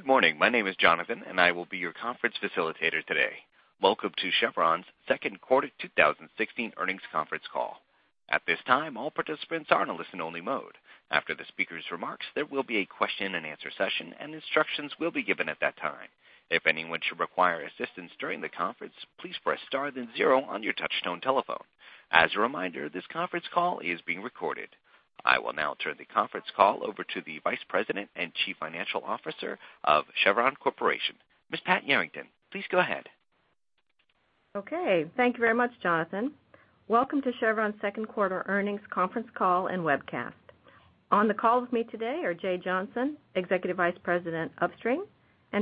Good morning. My name is Jonathan, and I will be your conference facilitator today. Welcome to Chevron's second quarter 2016 earnings conference call. At this time, all participants are in a listen-only mode. After the speaker's remarks, there will be a question and answer session, and instructions will be given at that time. If anyone should require assistance during the conference, please press star then zero on your touchtone telephone. As a reminder, this conference call is being recorded. I will now turn the conference call over to the Vice President and Chief Financial Officer of Chevron Corporation, Ms. Pat Yarrington. Please go ahead. Okay. Thank you very much, Jonathan. Welcome to Chevron's second quarter earnings conference call and webcast. On the call with me today are Jay Johnson, Executive Vice President, Upstream,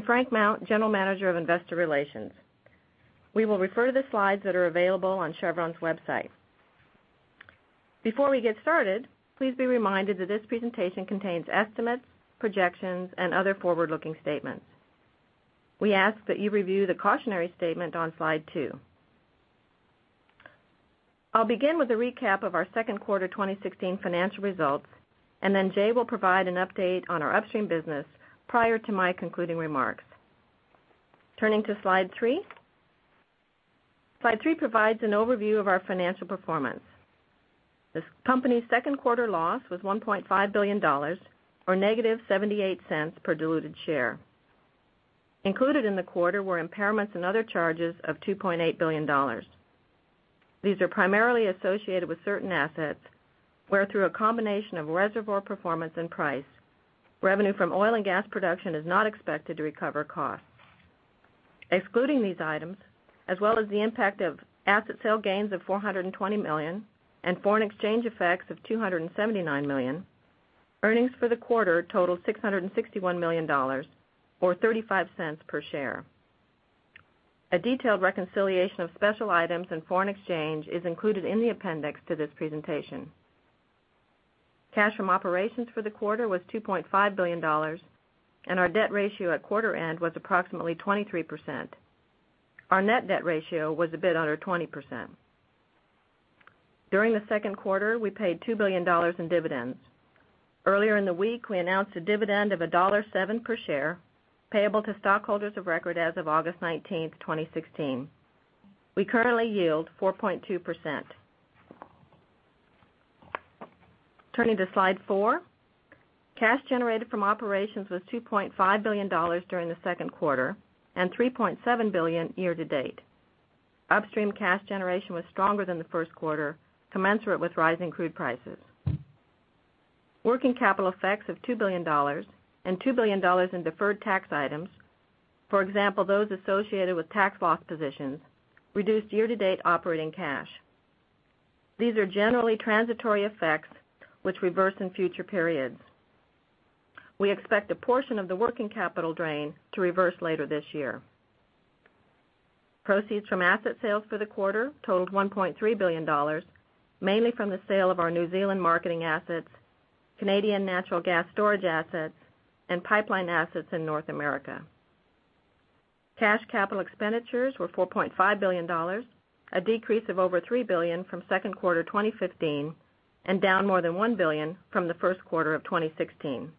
Frank Mount, General Manager of Investor Relations. We will refer to the slides that are available on Chevron's website. Before we get started, please be reminded that this presentation contains estimates, projections, and other forward-looking statements. We ask that you review the cautionary statement on slide two. I'll begin with a recap of our second quarter 2016 financial results. Jay will provide an update on our upstream business prior to my concluding remarks. Turning to slide three. Slide three provides an overview of our financial performance. This company's second quarter loss was $1.5 billion, or negative $0.78 per diluted share. Included in the quarter were impairments and other charges of $2.8 billion. These are primarily associated with certain assets where, through a combination of reservoir performance and price, revenue from oil and gas production is not expected to recover costs. Excluding these items, as well as the impact of asset sale gains of $420 million and foreign exchange effects of $279 million, earnings for the quarter totaled $661 million, or $0.35 per share. A detailed reconciliation of special items and foreign exchange is included in the appendix to this presentation. Cash from operations for the quarter was $2.5 billion. Our debt ratio at quarter end was approximately 23%. Our net debt ratio was a bit under 20%. During the second quarter, we paid $2 billion in dividends. Earlier in the week, we announced a dividend of $1.07 per share, payable to stockholders of record as of August 19th, 2016. We currently yield 4.2%. Turning to slide four. Cash generated from operations was $2.5 billion during the second quarter, $3.7 billion year-to-date. Upstream cash generation was stronger than the first quarter, commensurate with rising crude prices. Working capital effects of $2 billion and $2 billion in deferred tax items, for example, those associated with tax loss positions, reduced year-to-date operating cash. These are generally transitory effects which reverse in future periods. We expect a portion of the working capital drain to reverse later this year. Proceeds from asset sales for the quarter totaled $1.3 billion, mainly from the sale of our New Zealand marketing assets, Canadian natural gas storage assets, and pipeline assets in North America. Cash capital expenditures were $4.5 billion, a decrease of over $3 billion from second quarter 2015, and down more than $1 billion from the first quarter of 2016.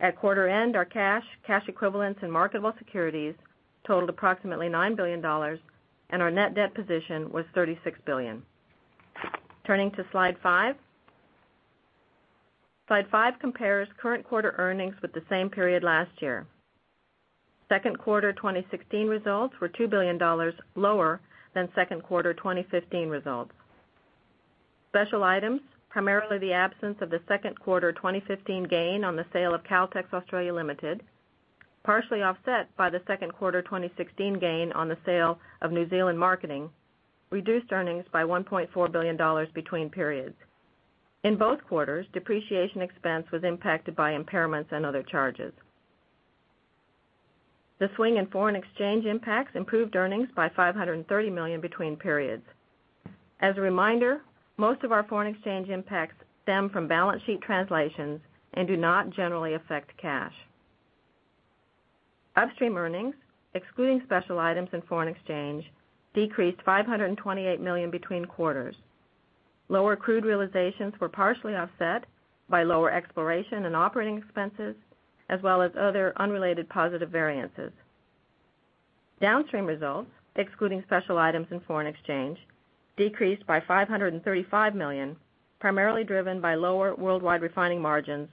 At quarter end, our cash equivalents, and marketable securities totaled approximately $9 billion, and our net debt position was $36 billion. Turning to slide five. Slide five compares current quarter earnings with the same period last year. Second quarter 2016 results were $2 billion lower than second quarter 2015 results. Special items, primarily the absence of the second quarter 2015 gain on the sale of Caltex Australia Limited, partially offset by the second quarter 2016 gain on the sale of New Zealand marketing, reduced earnings by $1.4 billion between periods. In both quarters, depreciation expense was impacted by impairments and other charges. The swing in foreign exchange impacts improved earnings by $530 million between periods. As a reminder, most of our foreign exchange impacts stem from balance sheet translations and do not generally affect cash. Upstream earnings, excluding special items and foreign exchange, decreased $528 million between quarters. Lower crude realizations were partially offset by lower exploration and operating expenses, as well as other unrelated positive variances. Downstream results, excluding special items and foreign exchange, decreased by $535 million, primarily driven by lower worldwide refining margins,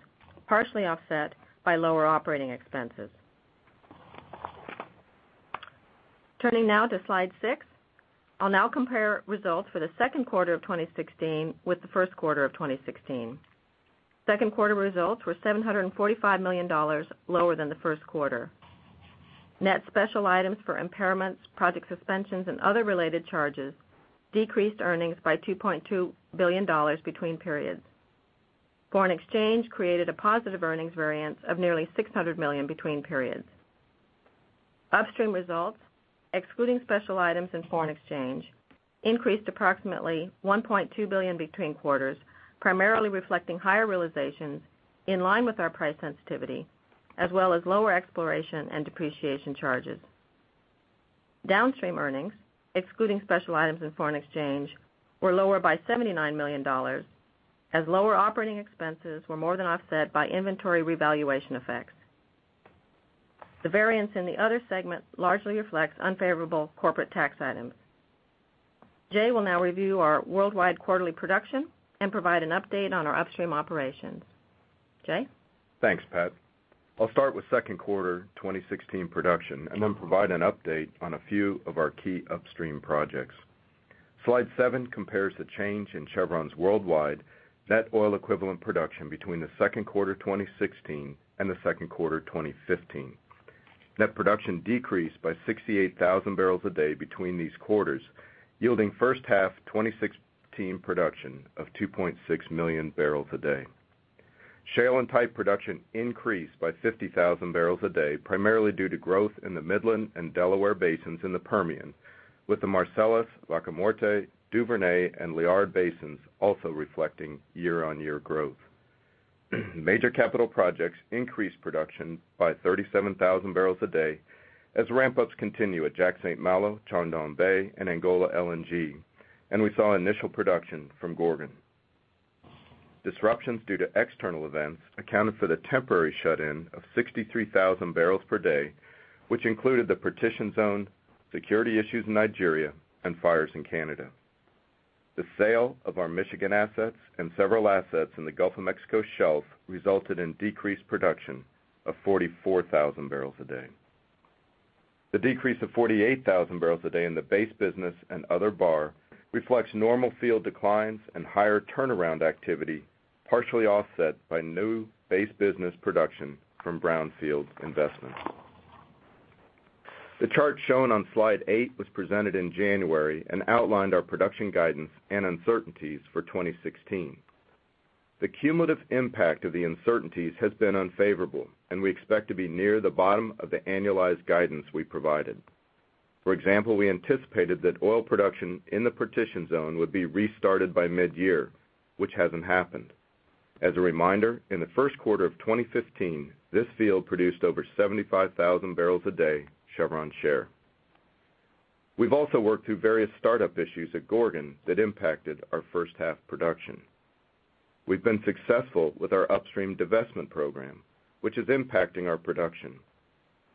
partially offset by lower operating expenses. Turning now to slide six. I'll now compare results for the second quarter of 2016 with the first quarter of 2016. Second quarter results were $745 million lower than the first quarter. Net special items for impairments, project suspensions, and other related charges decreased earnings by $2.2 billion between periods. Foreign exchange created a positive earnings variance of nearly $600 million between periods. Upstream results, excluding special items and foreign exchange, increased approximately $1.2 billion between quarters, primarily reflecting higher realizations in line with our price sensitivity, as well as lower exploration and depreciation charges. Downstream earnings, excluding special items in foreign exchange, were lower by $79 million as lower operating expenses were more than offset by inventory revaluation effects. The variance in the other segment largely reflects unfavorable corporate tax items. Jay will now review our worldwide quarterly production and provide an update on our upstream operations. Jay? Thanks, Pat. I'll start with second quarter 2016 production and then provide an update on a few of our key upstream projects. Slide seven compares the change in Chevron's worldwide net oil equivalent production between the second quarter 2016 and the second quarter 2015. Net production decreased by 68,000 barrels a day between these quarters, yielding first half 2016 production of 2.6 million barrels a day. Shale and tight production increased by 50,000 barrels a day, primarily due to growth in the Midland and Delaware basins in the Permian, with the Marcellus, Vaca Muerta, Duvernay, and Liard basins also reflecting year-on-year growth. Major capital projects increased production by 37,000 barrels a day as ramp-ups continue at Jack/St. Malo, Chuandongbei, and Angola LNG, and we saw initial production from Gorgon. Disruptions due to external events accounted for the temporary shut-in of 63,000 barrels per day, which included the Partitioned Zone, security issues in Nigeria, and fires in Canada. The sale of our Michigan assets and several assets in the Gulf of Mexico shelf resulted in decreased production of 44,000 barrels a day. The decrease of 48,000 barrels a day in the base business and other bar reflects normal field declines and higher turnaround activity, partially offset by new base business production from Brownfield investments. The chart shown on slide eight was presented in January and outlined our production guidance and uncertainties for 2016. The cumulative impact of the uncertainties has been unfavorable, and we expect to be near the bottom of the annualized guidance we provided. For example, we anticipated that oil production in the Partitioned Zone would be restarted by mid-year, which hasn't happened. As a reminder, in the first quarter of 2015, this field produced over 75,000 barrels a day, Chevron share. We've also worked through various startup issues at Gorgon that impacted our first half production. We've been successful with our upstream divestment program, which is impacting our production.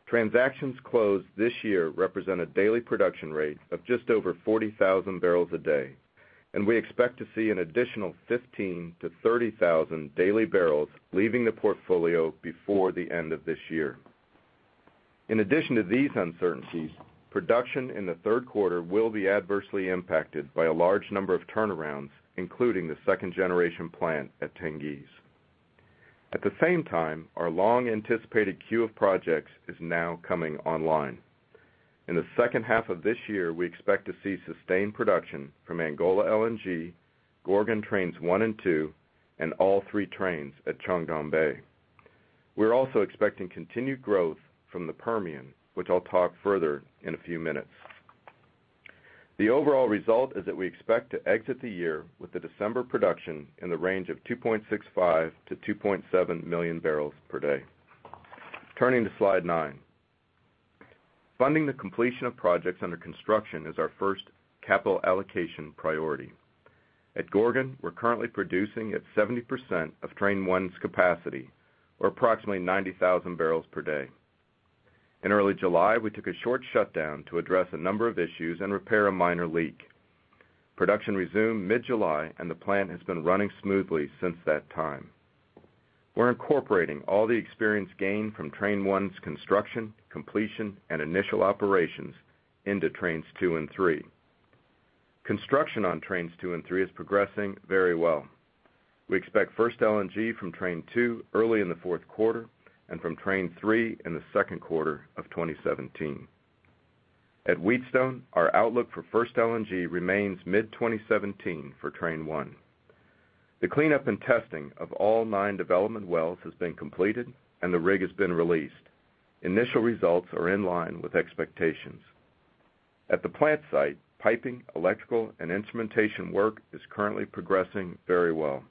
Transactions closed this year represent a daily production rate of just over 40,000 barrels a day, and we expect to see an additional 15,000 to 30,000 daily barrels leaving the portfolio before the end of this year. In addition to these uncertainties, production in the third quarter will be adversely impacted by a large number of turnarounds, including the second-generation plant at Tengiz. At the same time, our long-anticipated queue of projects is now coming online. In the second half of this year, we expect to see sustained production from Angola LNG, Gorgon trains 1 and 2, and all 3 trains at Chuandongbei. We're also expecting continued growth from the Permian, which I'll talk further in a few minutes. The overall result is that we expect to exit the year with the December production in the range of 2.65 to 2.7 million barrels per day. Turning to slide nine. Funding the completion of projects under construction is our first capital allocation priority. At Gorgon, we're currently producing at 70% of train 1's capacity or approximately 90,000 barrels per day. In early July, we took a short shutdown to address a number of issues and repair a minor leak. Production resumed mid-July, and the plant has been running smoothly since that time. We're incorporating all the experience gained from train 1's construction, completion, and initial operations into trains 2 and 3. Construction on trains 2 and 3 is progressing very well. We expect first LNG from train 2 early in the fourth quarter and from train 3 in the second quarter of 2017. At Wheatstone, our outlook for first LNG remains mid-2017 for train 1. The cleanup and testing of all nine development wells has been completed, and the rig has been released. Initial results are in line with expectations. At the plant site, piping, electrical, and instrumentation work is currently progressing very well.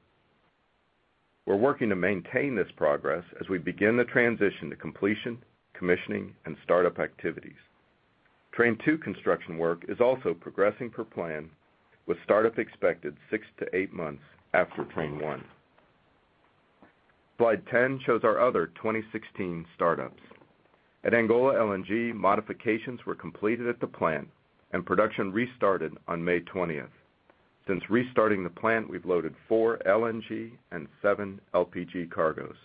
We're working to maintain this progress as we begin the transition to completion, commissioning, and startup activities. Train 2 construction work is also progressing per plan with startup expected six to eight months after train 1. Slide 10 shows our other 2016 startups. At Angola LNG, modifications were completed at the plant. Production restarted on May 20th. Since restarting the plant, we've loaded four LNG and seven LPG cargos.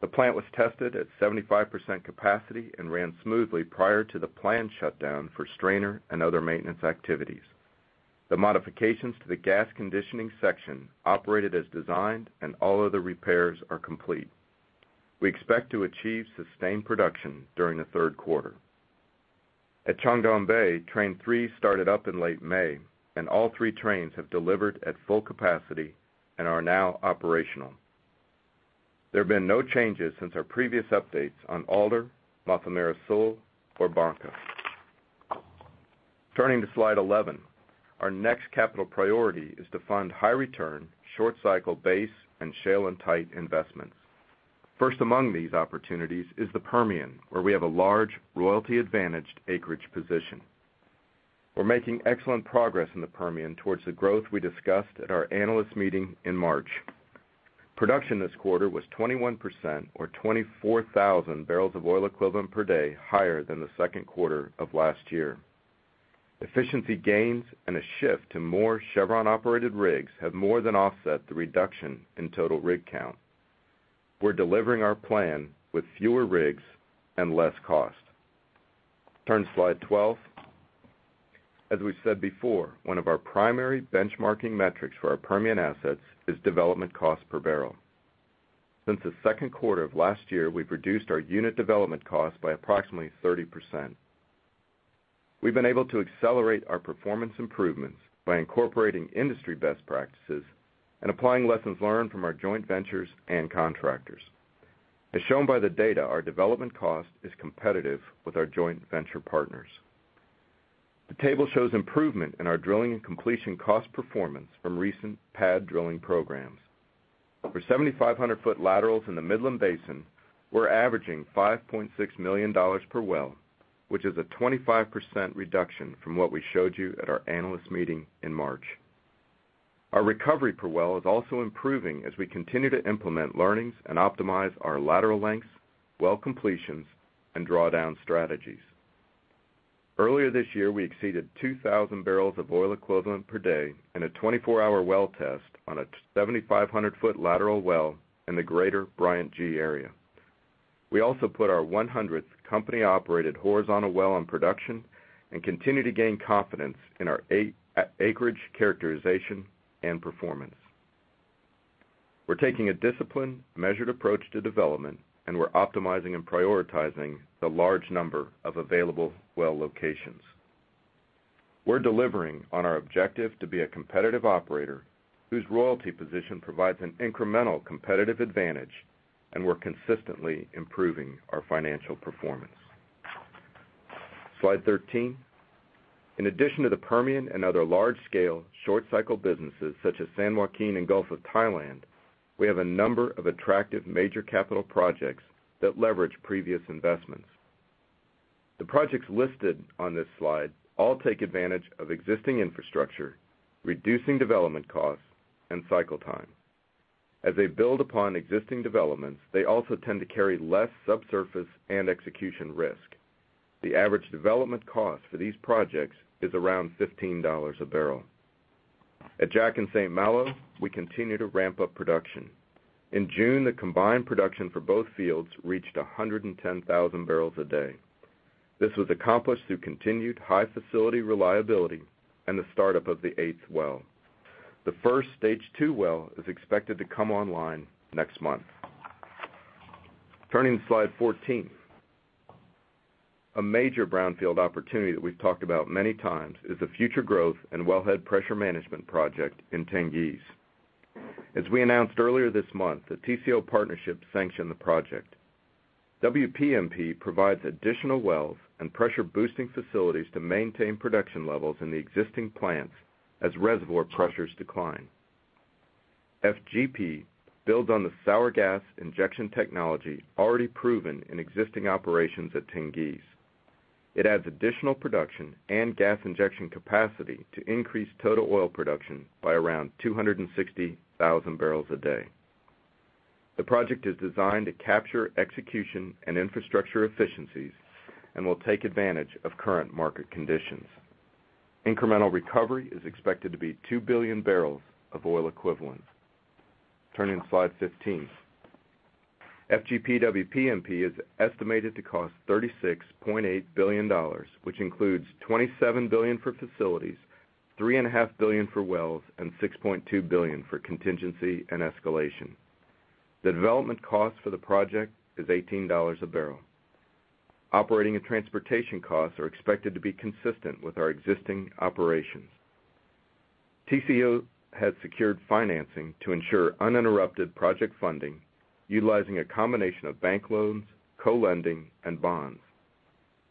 The plant was tested at 75% capacity and ran smoothly prior to the planned shutdown for strainer and other maintenance activities. The modifications to the gas conditioning section operated as designed. All other repairs are complete. We expect to achieve sustained production during the third quarter. At Chuandongbei, train 3 started up in late May. All 3 trains have delivered at full capacity and are now operational. There have been no changes since our previous updates on Alder, Mafumeira Sul, or Bangka. Turning to slide 11. Our next capital priority is to fund high return, short cycle base and shale and tight investments. First among these opportunities is the Permian, where we have a large royalty advantaged acreage position. We're making excellent progress in the Permian towards the growth we discussed at our analyst meeting in March. Production this quarter was 21% or 24,000 barrels of oil equivalent per day higher than the second quarter of last year. Efficiency gains and a shift to more Chevron operated rigs have more than offset the reduction in total rig count. We're delivering our plan with fewer rigs and less cost. Turn to slide 12. As we've said before, one of our primary benchmarking metrics for our Permian assets is development cost per barrel. Since the second quarter of last year, we've reduced our unit development cost by approximately 30%. We've been able to accelerate our performance improvements by incorporating industry best practices and applying lessons learned from our joint ventures and contractors. As shown by the data, our development cost is competitive with our joint venture partners. The table shows improvement in our drilling and completion cost performance from recent pad drilling programs. For 7,500-foot laterals in the Midland Basin, we're averaging $5.6 million per well, which is a 25% reduction from what we showed you at our analyst meeting in March. Our recovery per well is also improving as we continue to implement learnings and optimize our lateral lengths, well completions, and drawdown strategies. Earlier this year, we exceeded 2,000 barrels of oil equivalent per day in a 24-hour well test on a 7,500-foot lateral well in the greater Bryant G area. We also put our 100th company operated horizontal well on production and continue to gain confidence in our acreage characterization and performance. We're taking a disciplined, measured approach to development. We're optimizing and prioritizing the large number of available well locations. We're delivering on our objective to be a competitive operator whose royalty position provides an incremental competitive advantage. We're consistently improving our financial performance. Slide 13. In addition to the Permian and other large-scale short cycle businesses such as San Joaquin and Gulf of Thailand, we have a number of attractive major capital projects that leverage previous investments. The projects listed on this slide all take advantage of existing infrastructure, reducing development costs and cycle time. As they build upon existing developments, they also tend to carry less subsurface and execution risk. The average development cost for these projects is around $15 a barrel. At Jack and St. Malo, we continue to ramp up production. In June, the combined production for both fields reached 110,000 barrels a day. This was accomplished through continued high facility reliability and the startup of the eighth well. The first stage 2 well is expected to come online next month. Turning to slide 14. A major brownfield opportunity that we've talked about many times is the Future Growth and Wellhead Pressure Management Project in Tengiz. As we announced earlier this month, the TCO partnership sanctioned the project. WPMP provides additional wells and pressure boosting facilities to maintain production levels in the existing plants as reservoir pressures decline. FGP builds on the sour gas injection technology already proven in existing operations at Tengiz. It adds additional production and gas injection capacity to increase total oil production by around 260,000 barrels a day. The project is designed to capture execution and infrastructure efficiencies and will take advantage of current market conditions. Incremental recovery is expected to be 2 billion barrels of oil equivalent. Turning to slide 15. FGP WPMP is estimated to cost $36.8 billion, which includes $27 billion for facilities, $3.5 billion for wells, and $6.2 billion for contingency and escalation. The development cost for the project is $18 a barrel. Operating and transportation costs are expected to be consistent with our existing operations. TCO has secured financing to ensure uninterrupted project funding utilizing a combination of bank loans, co-lending, and bonds.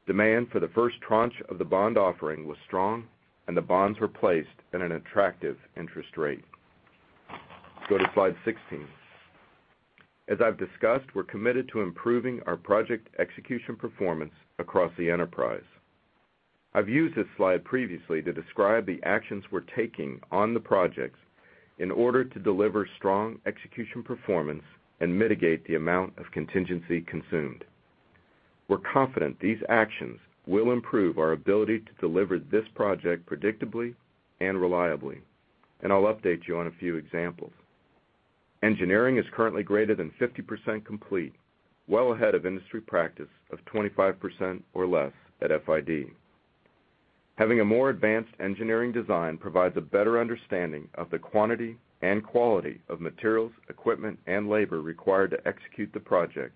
Demand for the first tranche of the bond offering was strong, and the bonds were placed at an attractive interest rate. Go to slide 16. As I've discussed, we're committed to improving our project execution performance across the enterprise. I've used this slide previously to describe the actions we're taking on the projects in order to deliver strong execution performance and mitigate the amount of contingency consumed. We're confident these actions will improve our ability to deliver this project predictably and reliably. I'll update you on a few examples. Engineering is currently greater than 50% complete, well ahead of industry practice of 25% or less at FID. Having a more advanced engineering design provides a better understanding of the quantity and quality of materials, equipment, and labor required to execute the project,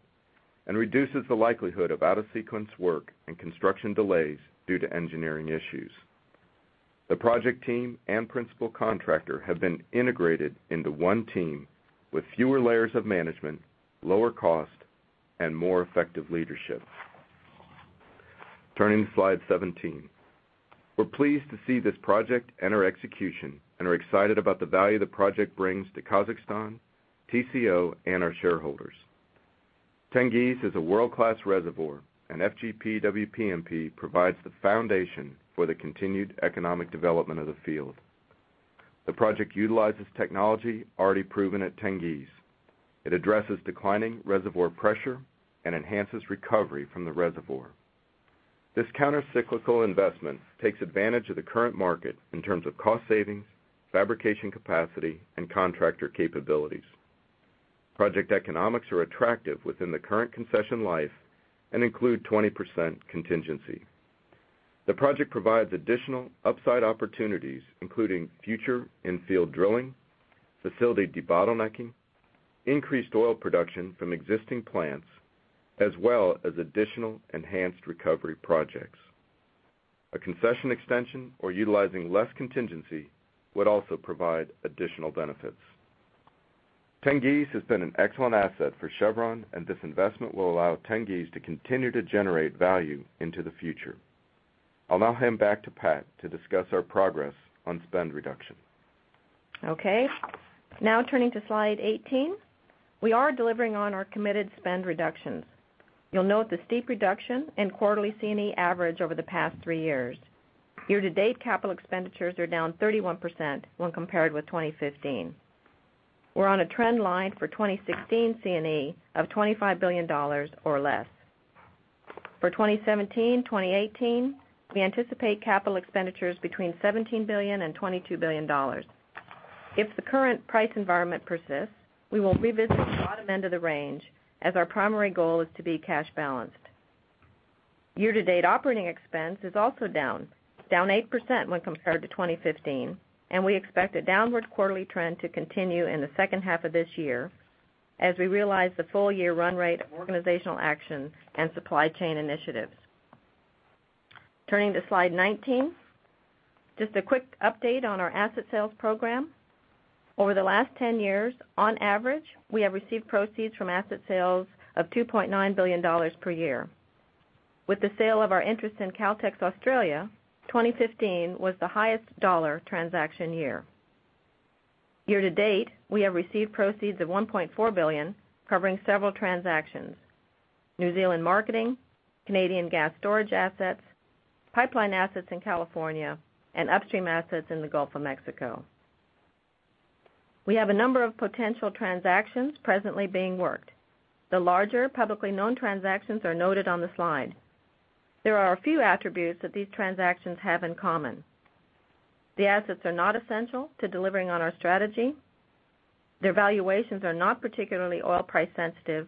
and reduces the likelihood of out of sequence work and construction delays due to engineering issues. The project team and principal contractor have been integrated into one team with fewer layers of management, lower cost, and more effective leadership. Turning to slide 17. We're pleased to see this project enter execution and are excited about the value the project brings to Kazakhstan, TCO, and our shareholders. Tengiz is a world-class reservoir, and FGP WPMP provides the foundation for the continued economic development of the field. The project utilizes technology already proven at Tengiz. It addresses declining reservoir pressure and enhances recovery from the reservoir. This counter-cyclical investment takes advantage of the current market in terms of cost savings, fabrication capacity, and contractor capabilities. Project economics are attractive within the current concession life and include 20% contingency. The project provides additional upside opportunities, including future in-field drilling, facility de-bottlenecking, increased oil production from existing plants, as well as additional enhanced recovery projects. A concession extension or utilizing less contingency would also provide additional benefits. Tengiz has been an excellent asset for Chevron, and this investment will allow Tengiz to continue to generate value into the future. I'll now hand back to Pat to discuss our progress on spend reduction. Okay. Now turning to slide 18. We are delivering on our committed spend reductions. You'll note the steep reduction in quarterly C&E average over the past three years. Year-to-date capital expenditures are down 31% when compared with 2015. We're on a trend line for 2016 C&E of $25 billion or less. For 2017-2018, we anticipate capital expenditures between $17 billion and $22 billion. If the current price environment persists, we will revisit the bottom end of the range as our primary goal is to be cash balanced. Year-to-date operating expense is also down, 8% when compared to 2015, and we expect a downward quarterly trend to continue in the second half of this year as we realize the full-year run rate of organizational actions and supply chain initiatives. Turning to slide 19. Just a quick update on our asset sales program. Over the last 10 years, on average, we have received proceeds from asset sales of $2.9 billion per year. With the sale of our interest in Caltex Australia, 2015 was the highest dollar transaction year. Year to date, we have received proceeds of $1.4 billion covering several transactions: New Zealand marketing, Canadian gas storage assets, pipeline assets in California, and upstream assets in the Gulf of Mexico. We have a number of potential transactions presently being worked. The larger publicly known transactions are noted on the slide. There are a few attributes that these transactions have in common. The assets are not essential to delivering on our strategy, their valuations are not particularly oil price sensitive,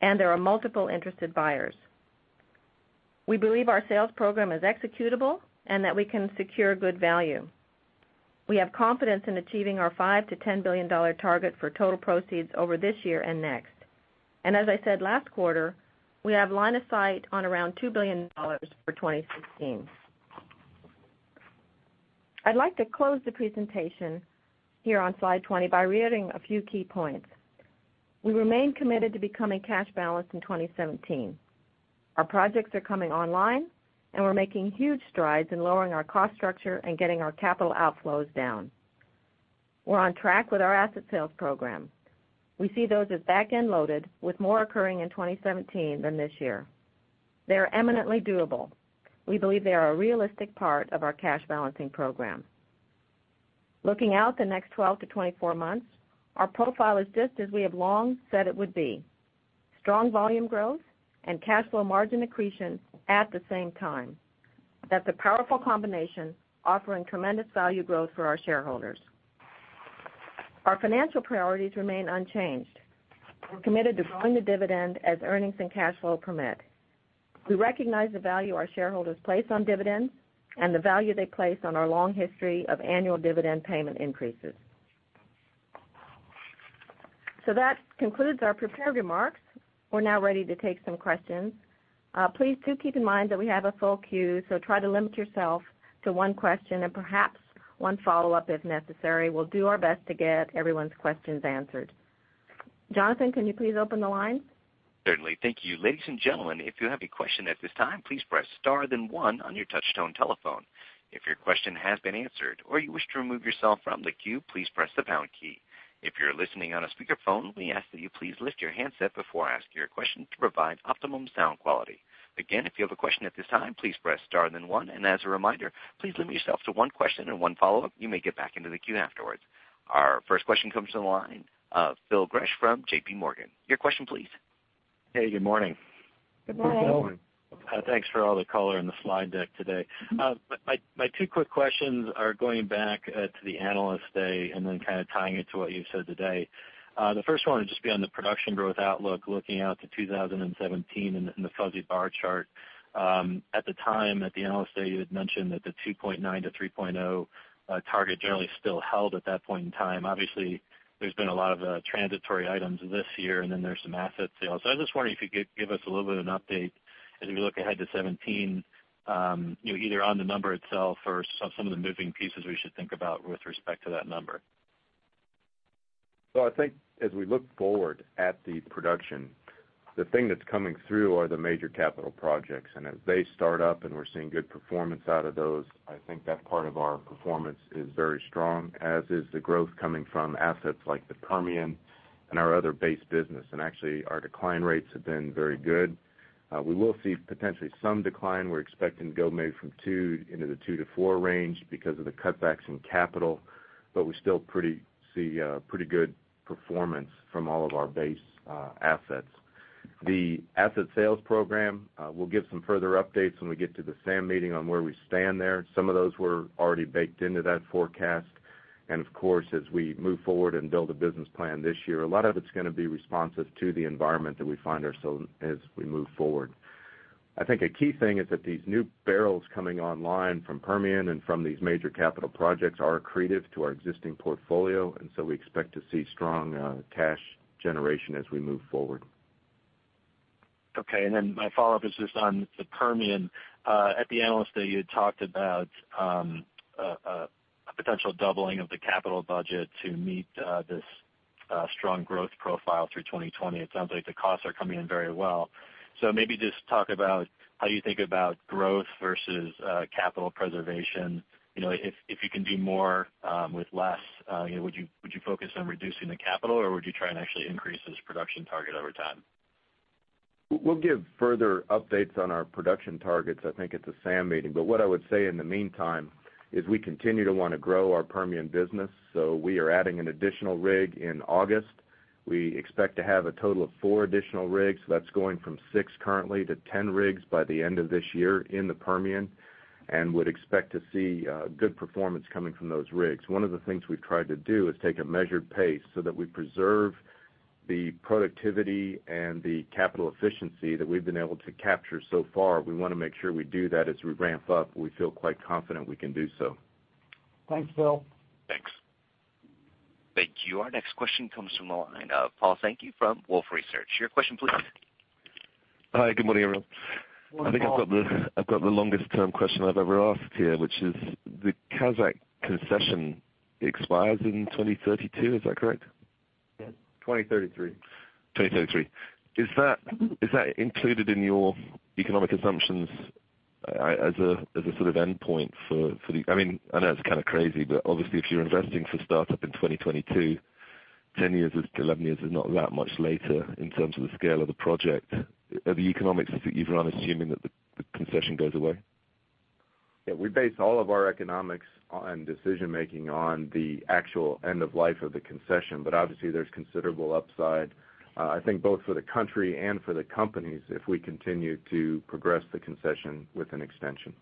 and there are multiple interested buyers. We believe our sales program is executable and that we can secure good value. We have confidence in achieving our $5 billion to $10 billion target for total proceeds over this year and next. As I said last quarter, we have line of sight on around $2 billion for 2016. I'd like to close the presentation here on slide 20 by reiterating a few key points. We remain committed to becoming cash balanced in 2017. Our projects are coming online, and we're making huge strides in lowering our cost structure and getting our capital outflows down. We're on track with our asset sales program. We see those as back-end loaded with more occurring in 2017 than this year. They are eminently doable. We believe they are a realistic part of our cash balancing program. Looking out the next 12 to 24 months, our profile is just as we have long said it would be: strong volume growth and cash flow margin accretion at the same time. That's a powerful combination offering tremendous value growth for our shareholders. Our financial priorities remain unchanged. We're committed to growing the dividend as earnings and cash flow permit. We recognize the value our shareholders place on dividends and the value they place on our long history of annual dividend payment increases. That concludes our prepared remarks. We're now ready to take some questions. Please do keep in mind that we have a full queue, so try to limit yourself to one question and perhaps one follow-up if necessary. We'll do our best to get everyone's questions answered. Jonathan, can you please open the line? Certainly. Thank you. Ladies and gentlemen, if you have a question at this time, please press star then one on your touch-tone telephone. If your question has been answered or you wish to remove yourself from the queue, please press the pound key. If you're listening on a speakerphone, we ask that you please lift your handset before asking your question to provide optimum sound quality. Again, if you have a question at this time, please press star then one, and as a reminder, please limit yourself to one question and one follow-up. You may get back into the queue afterwards. Our first question comes to the line of Phil Gresh from JPMorgan. Your question please. Hey, good morning. Good morning. Thanks for all the color in the slide deck today. My two quick questions are going back to the Analyst Day and then tying it to what you've said today. The first one would just be on the production growth outlook, looking out to 2017 in the fuzzy bar chart. At the time at the Analyst Day, you had mentioned that the 2.9 to 3.0 target generally still held at that point in time. Obviously, there's been a lot of transitory items this year, and there's some asset sales. I was just wondering if you could give us a little bit of an update as we look ahead to 2017, either on the number itself or some of the moving pieces we should think about with respect to that number. I think as we look forward at the production, the thing that's coming through are the major capital projects. As they start up and we're seeing good performance out of those, I think that part of our performance is very strong. As is the growth coming from assets like the Permian and our other base business. Actually our decline rates have been very good. We will see potentially some decline. We're expecting to go maybe from 2 into the 2-4 range because of the cutbacks in capital, but we still see pretty good performance from all of our base assets. The asset sales program, we'll give some further updates when we get to the SAM meeting on where we stand there. Some of those were already baked into that forecast. Of course, as we move forward and build a business plan this year, a lot of it's going to be responsive to the environment that we find ourselves as we move forward. I think a key thing is that these new barrels coming online from Permian and from these major capital projects are accretive to our existing portfolio, and so we expect to see strong cash generation as we move forward. Okay. Then my follow-up is just on the Permian. At the analyst day, you had talked about a potential doubling of the capital budget to meet this strong growth profile through 2020. It sounds like the costs are coming in very well. Maybe just talk about how you think about growth versus capital preservation. If you can do more with less, would you focus on reducing the capital or would you try and actually increase this production target over time? We'll give further updates on our production targets I think at the SAM meeting, but what I would say in the meantime is we continue to want to grow our Permian business. We are adding an additional rig in August. We expect to have a total of 4 additional rigs. That's going from 6 currently to 10 rigs by the end of this year in the Permian and would expect to see good performance coming from those rigs. One of the things we've tried to do is take a measured pace so that we preserve the productivity and the capital efficiency that we've been able to capture so far. We want to make sure we do that as we ramp up. We feel quite confident we can do so. Thanks, Phil. Thanks. Thank you. Our next question comes from the line of Paul Sankey from Wolfe Research. Your question, please. Hi, good morning, everyone. Morning, Paul. I think I've got the longest term question I've ever asked here, which is the Kazakh concession expires in 2032. Is that correct? Yes. 2033. 2033. Is that included in your economic assumptions as a sort of endpoint? I know it's kind of crazy, but obviously if you're investing for startup in 2022, 11 years is not that much later in terms of the scale of the project. Are the economics that you run assuming that the concession goes away? Yeah, we base all of our economics on decision making on the actual end of life of the concession. Obviously there's considerable upside, I think both for the country and for the companies if we continue to progress the concession with an extension.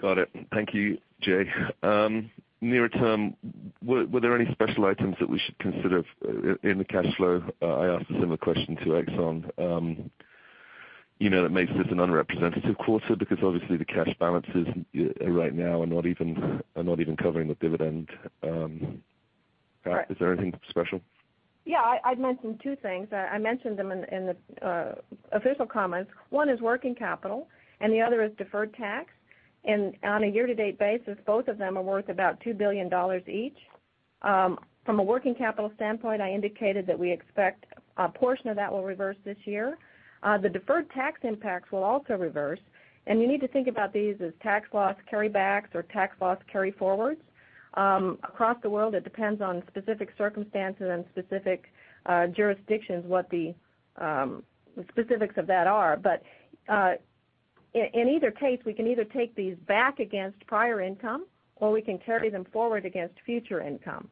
Got it. Thank you, Jay. Near term, were there any special items that we should consider in the cash flow? I asked a similar question to Exxon. That makes this an unrepresentative quarter because obviously the cash balances right now are not even covering the dividend. Correct. Is there anything special? Yeah, I'd mention two things. I mentioned them in the official comments. One is working capital and the other is deferred tax. On a year-to-date basis, both of them are worth about $2 billion each. From a working capital standpoint, I indicated that we expect a portion of that will reverse this year. The deferred tax impacts will also reverse, you need to think about these as tax loss carrybacks or tax loss carryforwards. Across the world, it depends on specific circumstances and specific jurisdictions what the specifics of that are. In either case, we can either take these back against prior income or we can carry them forward against future income.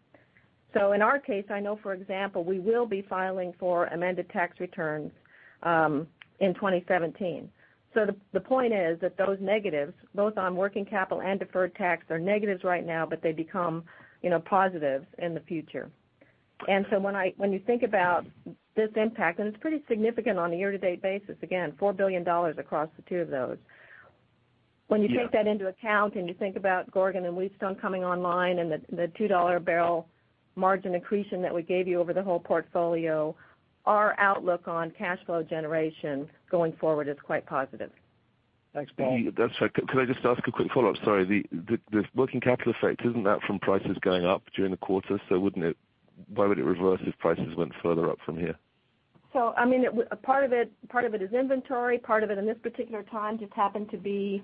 In our case, I know, for example, we will be filing for amended tax returns in 2017. The point is that those negatives, both on working capital and deferred tax, are negatives right now, they become positives in the future. When you think about this impact, it's pretty significant on a year-to-date basis, again, $4 billion across the two of those. Yeah. When you take that into account and you think about Gorgon and Wheatstone coming online and the $2 a barrel margin accretion that we gave you over the whole portfolio, our outlook on cash flow generation going forward is quite positive. Thanks, Paul. Could I just ask a quick follow-up? Sorry. The working capital effect, isn't that from prices going up during the quarter? Why would it reverse if prices went further up from here? Part of it is inventory, part of it in this particular time just happened to be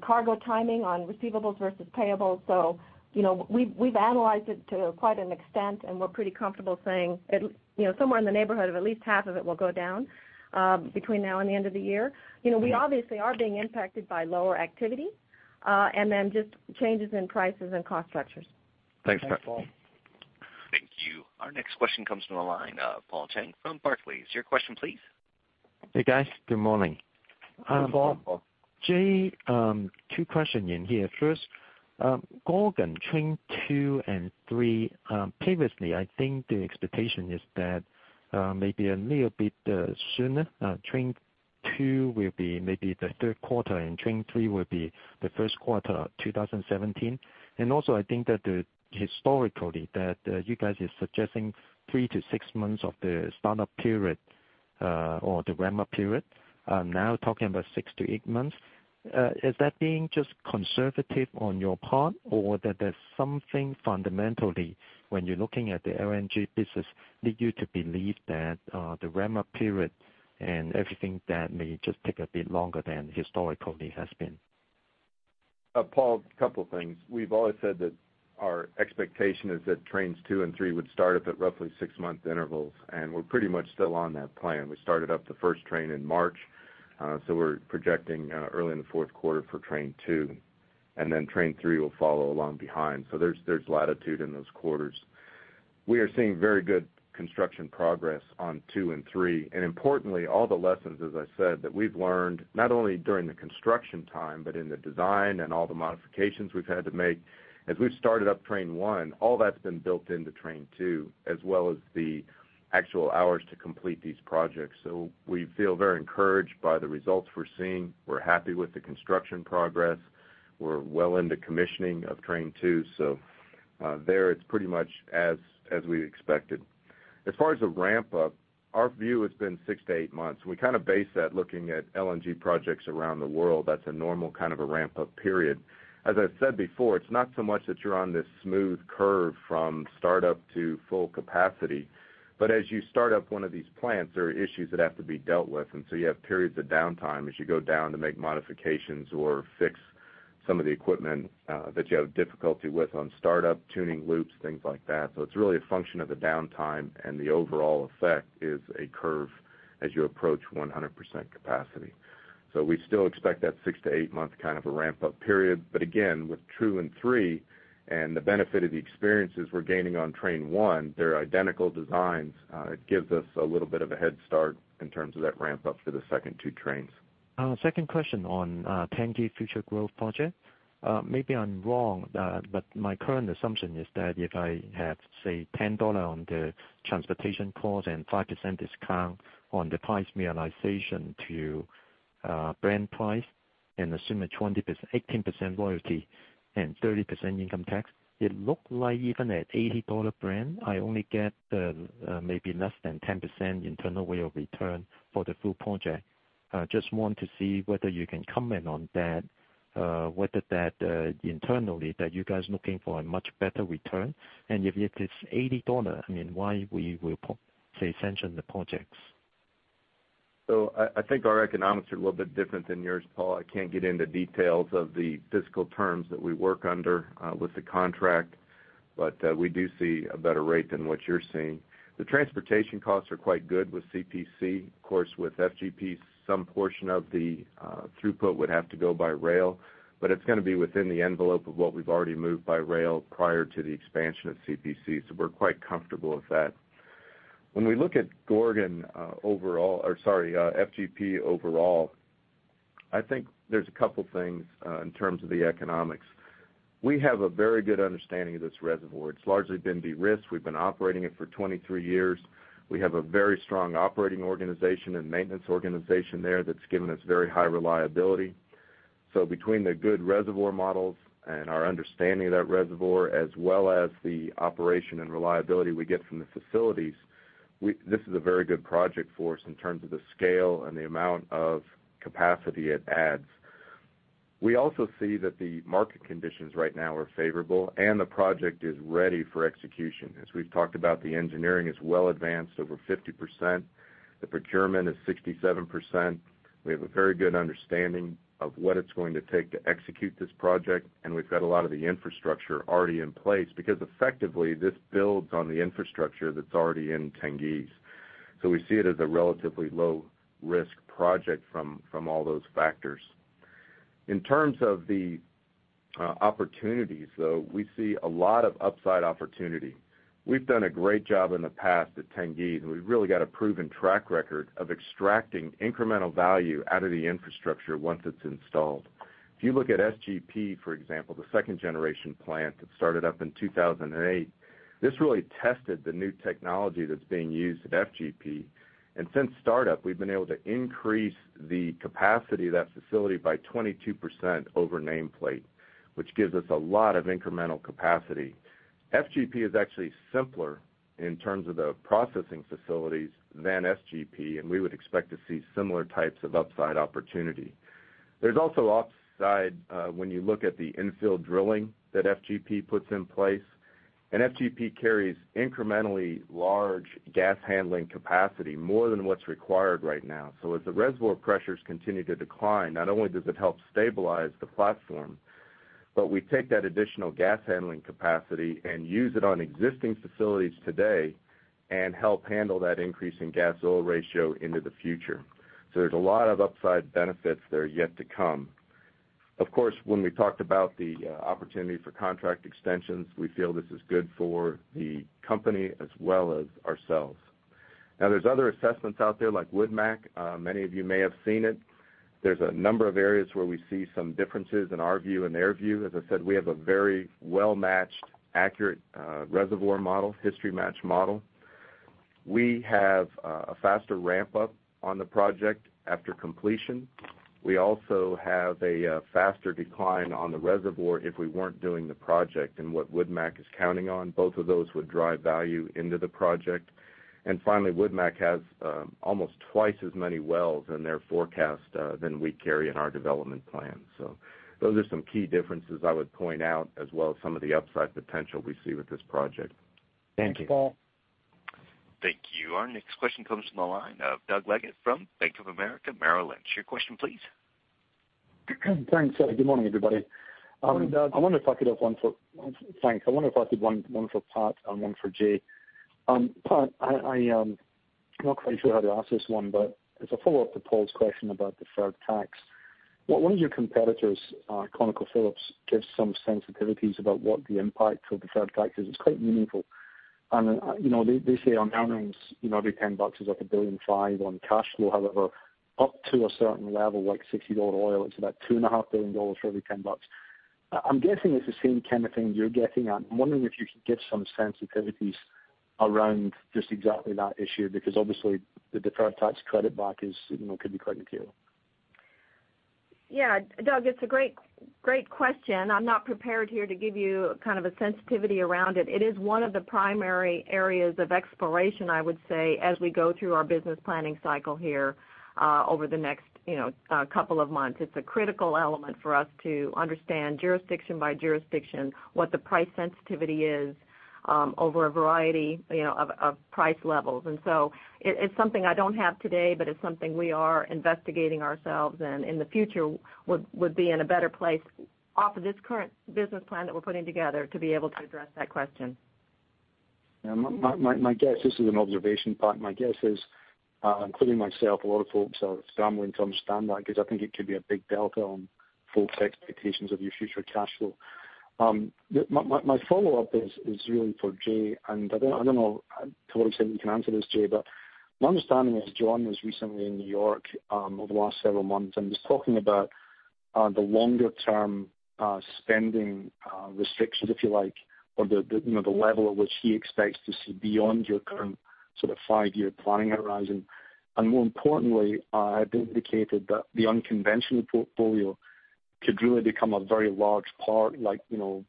cargo timing on receivables versus payables. We've analyzed it to quite an extent, and we're pretty comfortable saying somewhere in the neighborhood of at least half of it will go down between now and the end of the year. We obviously are being impacted by lower activity, just changes in prices and cost structures. Thanks. Thanks, Paul. Thank you. Our next question comes from the line of Paul Cheng from Barclays. Your question, please. Hey, guys. Good morning. Good morning, Paul. Jay, two question in here. First, Gorgon train 2 and 3. Previously, I think the expectation is that maybe a little bit sooner. Train 2 will be maybe the third quarter, and train 3 will be the first quarter of 2017. Also I think that historically that you guys are suggesting three to six months of the startup period or the ramp-up period. Now talking about six to eight months. Is that being just conservative on your part or that there's something fundamentally when you're looking at the LNG business lead you to believe that the ramp-up period and everything that may just take a bit longer than historically has been? Paul, couple of things. We've always said that our expectation is that trains 2 and 3 would start up at roughly 6-month intervals, and we're pretty much still on that plan. We started up the first train in March, so we're projecting early in the fourth quarter for train 2, and then train 3 will follow along behind. There's latitude in those quarters. We are seeing very good construction progress on 2 and 3, and importantly, all the lessons, as I said, that we've learned, not only during the construction time, but in the design and all the modifications we've had to make. As we've started up train 1, all that's been built into train 2 as well as the actual hours to complete these projects. We feel very encouraged by the results we're seeing. We're happy with the construction progress. We're well into commissioning of train 2, there it's pretty much as we expected. As far as the ramp-up, our view has been 6 to 8 months. We kind of base that looking at LNG projects around the world. That's a normal kind of a ramp-up period. As I've said before, it's not so much that you're on this smooth curve from start up to full capacity, but as you start up one of these plants, there are issues that have to be dealt with, you have periods of downtime as you go down to make modifications or fix some of the equipment that you have difficulty with on start up, tuning loops, things like that. It's really a function of the downtime and the overall effect is a curve as you approach 100% capacity. We still expect that 6 to 8-month kind of a ramp-up period. Again, with 2 and 3 and the benefit of the experiences we're gaining on train 1, they're identical designs. It gives us a little bit of a head start in terms of that ramp up for the second 2 trains. Second question on Tengiz Future Growth Project. Maybe I'm wrong, but my current assumption is that if I have, say, $10 on the transportation cost and 5% discount on the price realization to Brent price and assume a 18% royalty and 30% income tax, it look like even at $80 Brent, I only get maybe less than 10% internal rate of return for the full project. Just want to see whether you can comment on that, whether it internally that you guys looking for a much better return. If it is $80, why we will say sanction the projects? I think our economics are a little bit different than yours, Paul. I can't get into details of the fiscal terms that we work under with the contract, but we do see a better rate than what you're seeing. The transportation costs are quite good with CPC. With FGP, some portion of the throughput would have to go by rail, but it's going to be within the envelope of what we've already moved by rail prior to the expansion of CPC, so we're quite comfortable with that. We look at Gorgon overall, or sorry, FGP overall, I think there's a couple things in terms of the economics. We have a very good understanding of this reservoir. It's largely been de-risked. We've been operating it for 23 years. We have a very strong operating organization and maintenance organization there that's given us very high reliability. Between the good reservoir models and our understanding of that reservoir, as well as the operation and reliability we get from the facilities, this is a very good project for us in terms of the scale and the amount of capacity it adds. We also see that the market conditions right now are favorable and the project is ready for execution. As we've talked about, the engineering is well advanced over 50%. The procurement is 67%. We have a very good understanding of what it's going to take to execute this project, and we've got a lot of the infrastructure already in place because effectively this builds on the infrastructure that's already in Tengiz. We see it as a relatively low-risk project from all those factors. In terms of the opportunities, though, we see a lot of upside opportunity. We've done a great job in the past at Tengiz, and we've really got a proven track record of extracting incremental value out of the infrastructure once it's installed. If you look at SGP, for example, the second generation plant that started up in 2008, this really tested the new technology that's being used at FGP. Since startup, we've been able to increase the capacity of that facility by 22% over nameplate, which gives us a lot of incremental capacity. FGP is actually simpler in terms of the processing facilities than SGP, and we would expect to see similar types of upside opportunity. There's also upside when you look at the infill drilling that FGP puts in place, and FGP carries incrementally large gas handling capacity, more than what's required right now. As the reservoir pressures continue to decline, not only does it help stabilize the platform, but we take that additional gas handling capacity and use it on existing facilities today and help handle that increase in gas oil ratio into the future. There's a lot of upside benefits there yet to come. When we talked about the opportunity for contract extensions, we feel this is good for the company as well as ourselves. There's other assessments out there like Woodmac. Many of you may have seen it. There's a number of areas where we see some differences in our view and their view. I said, we have a very well-matched, accurate reservoir model, history match model. We have a faster ramp up on the project after completion. We also have a faster decline on the reservoir if we weren't doing the project and what Woodmac is counting on, both of those would drive value into the project. Finally, Woodmac has almost twice as many wells in their forecast than we carry in our development plan. Those are some key differences I would point out as well as some of the upside potential we see with this project. Thank you. Thanks, Paul. Thank you. Our next question comes from the line of Douglas Leggate from Bank of America Merrill Lynch. Your question please. Thanks. Good morning, everybody. Good morning, Doug. Thanks. I wonder if I could have one for Pat and one for Jay. Pat, I'm not quite sure how to ask this one, but as a follow-up to Paul's question about deferred tax, one of your competitors, ConocoPhillips, gives some sensitivities about what the impact of deferred tax is. It's quite meaningful. They say on earnings, every $10 is up $1.5 billion on cash flow. However, up to a certain level, like $60 oil, it's about $2.5 billion for every $10. I'm guessing it's the same kind of thing you're getting at. I'm wondering if you could give some sensitivities around just exactly that issue, because obviously the deferred tax credit back could be quite material. Doug, it's a great question. I'm not prepared here to give you a sensitivity around it. It is one of the primary areas of exploration, I would say, as we go through our business planning cycle here over the next couple of months. It's a critical element for us to understand jurisdiction by jurisdiction, what the price sensitivity is over a variety of price levels. It's something I don't have today, but it's something we are investigating ourselves, and in the future would be in a better place off of this current business plan that we're putting together to be able to address that question. Yeah. This is an observation, Pat. My guess is, including myself, a lot of folks are scrambling to understand that because I think it could be a big delta on folks' expectations of your future cash flow. My follow-up is really for Jay, and I don't know to what extent you can answer this, Jay, but my understanding is John was recently in New York over the last several months and was talking about the longer-term spending restrictions, if you like, or the level at which he expects to see beyond your current five-year planning horizon. More importantly, indicated that the unconventional portfolio could really become a very large part, like 25%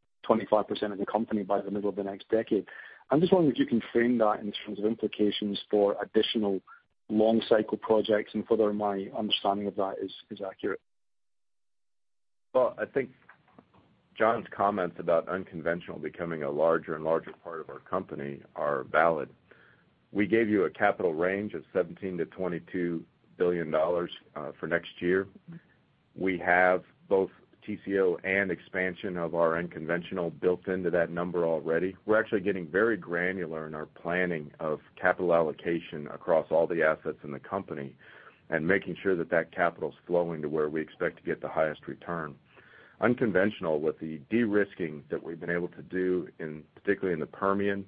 of the company by the middle of the next decade. I'm just wondering if you can frame that in terms of implications for additional long-cycle projects and whether my understanding of that is accurate. Well, I think John's comments about unconventional becoming a larger and larger part of our company are valid. We gave you a capital range of $17 billion-$22 billion for next year. We have both TCO and expansion of our unconventional built into that number already. We're actually getting very granular in our planning of capital allocation across all the assets in the company, and making sure that capital's flowing to where we expect to get the highest return. Unconventional with the de-risking that we've been able to do particularly in the Permian,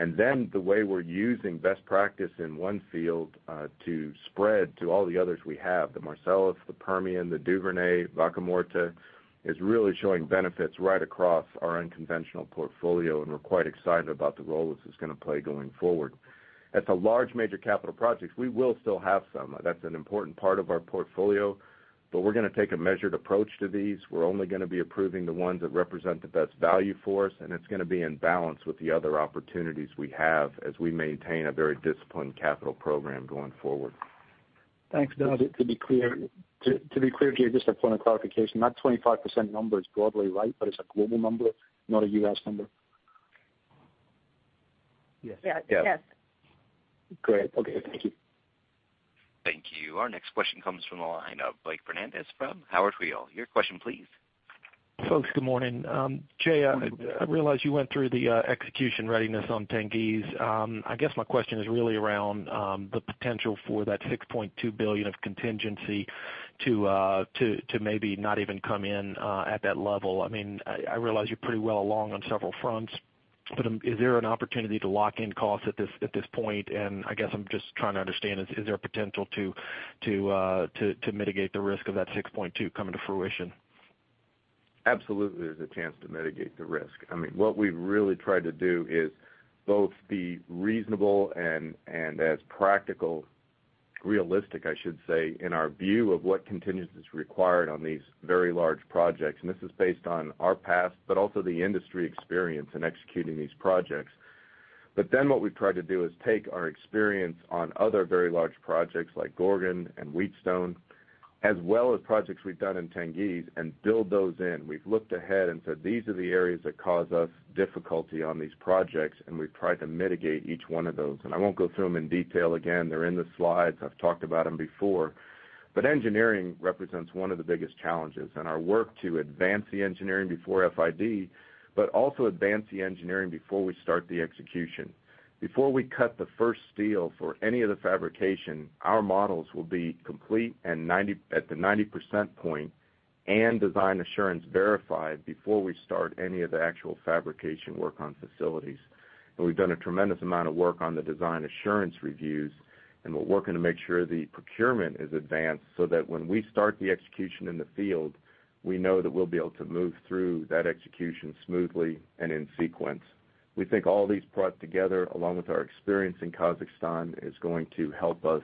and then the way we're using best practice in one field to spread to all the others we have, the Marcellus, the Permian, the Duvernay, Vaca Muerta, is really showing benefits right across our unconventional portfolio, and we're quite excited about the role this is going to play going forward. As to large major capital projects, we will still have some. That's an important part of our portfolio, but we're going to take a measured approach to these. We're only going to be approving the ones that represent the best value for us, and it's going to be in balance with the other opportunities we have as we maintain a very disciplined capital program going forward. Thanks, Doug. To be clear, Jay, just a point of clarification. That 25% number is broadly right, but it's a global number, not a U.S. number? Yes. Great. Okay. Thank you. Thank you. Our next question comes from the line of Blake Fernandez from Howard Weil. Your question please. Folks, good morning. Jay, I realize you went through the execution readiness on Tengiz. I guess my question is really around the potential for that $6.2 billion of contingency to maybe not even come in at that level. I realize you're pretty well along on several fronts, but is there an opportunity to lock in costs at this point? I guess I'm just trying to understand, is there potential to mitigate the risk of that $6.2 coming to fruition? Absolutely, there's a chance to mitigate the risk. What we've really tried to do is both be reasonable and as practical, realistic, I should say, in our view of what contingency is required on these very large projects. This is based on our past, but also the industry experience in executing these projects. What we've tried to do is take our experience on other very large projects like Gorgon and Wheatstone, as well as projects we've done in Tengiz, and build those in. We've looked ahead and said these are the areas that cause us difficulty on these projects, and we've tried to mitigate each one of those. I won't go through them in detail again. They're in the slides. I've talked about them before. Engineering represents one of the biggest challenges, and our work to advance the engineering before FID, but also advance the engineering before we start the execution. Before we cut the first steel for any of the fabrication, our models will be complete at the 90% point and design assurance verified before we start any of the actual fabrication work on facilities. We've done a tremendous amount of work on the design assurance reviews, and we're working to make sure the procurement is advanced so that when we start the execution in the field, we know that we'll be able to move through that execution smoothly and in sequence. We think all these brought together, along with our experience in Kazakhstan, is going to help us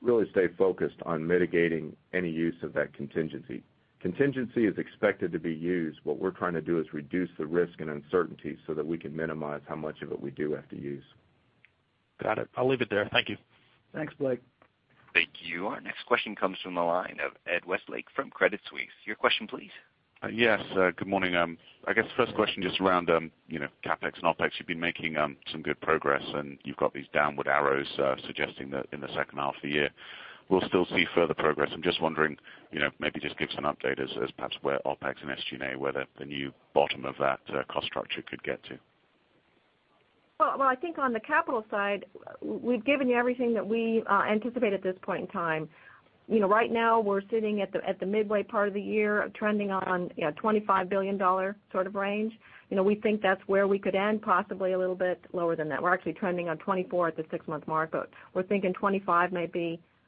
really stay focused on mitigating any use of that contingency. Contingency is expected to be used. What we're trying to do is reduce the risk and uncertainty so that we can minimize how much of it we do have to use. Got it. I'll leave it there. Thank you. Thanks, Blake. Thank you. Our next question comes from the line of Ed Westlake from Credit Suisse. Your question, please. Yes. Good morning. I guess first question, just around CapEx and OpEx. You've been making some good progress and you've got these downward arrows suggesting that in the second half of the year, we'll still see further progress. I'm just wondering, maybe just give us an update as perhaps where OpEx and SG&A, where the new bottom of that cost structure could get to. Well, I think on the capital side, we've given you everything that we anticipate at this point in time. Right now, we're sitting at the midway part of the year, trending on a $25 billion sort of range. We think that's where we could end, possibly a little bit lower than that. We're actually trending on 24 at the six-month mark, we're thinking,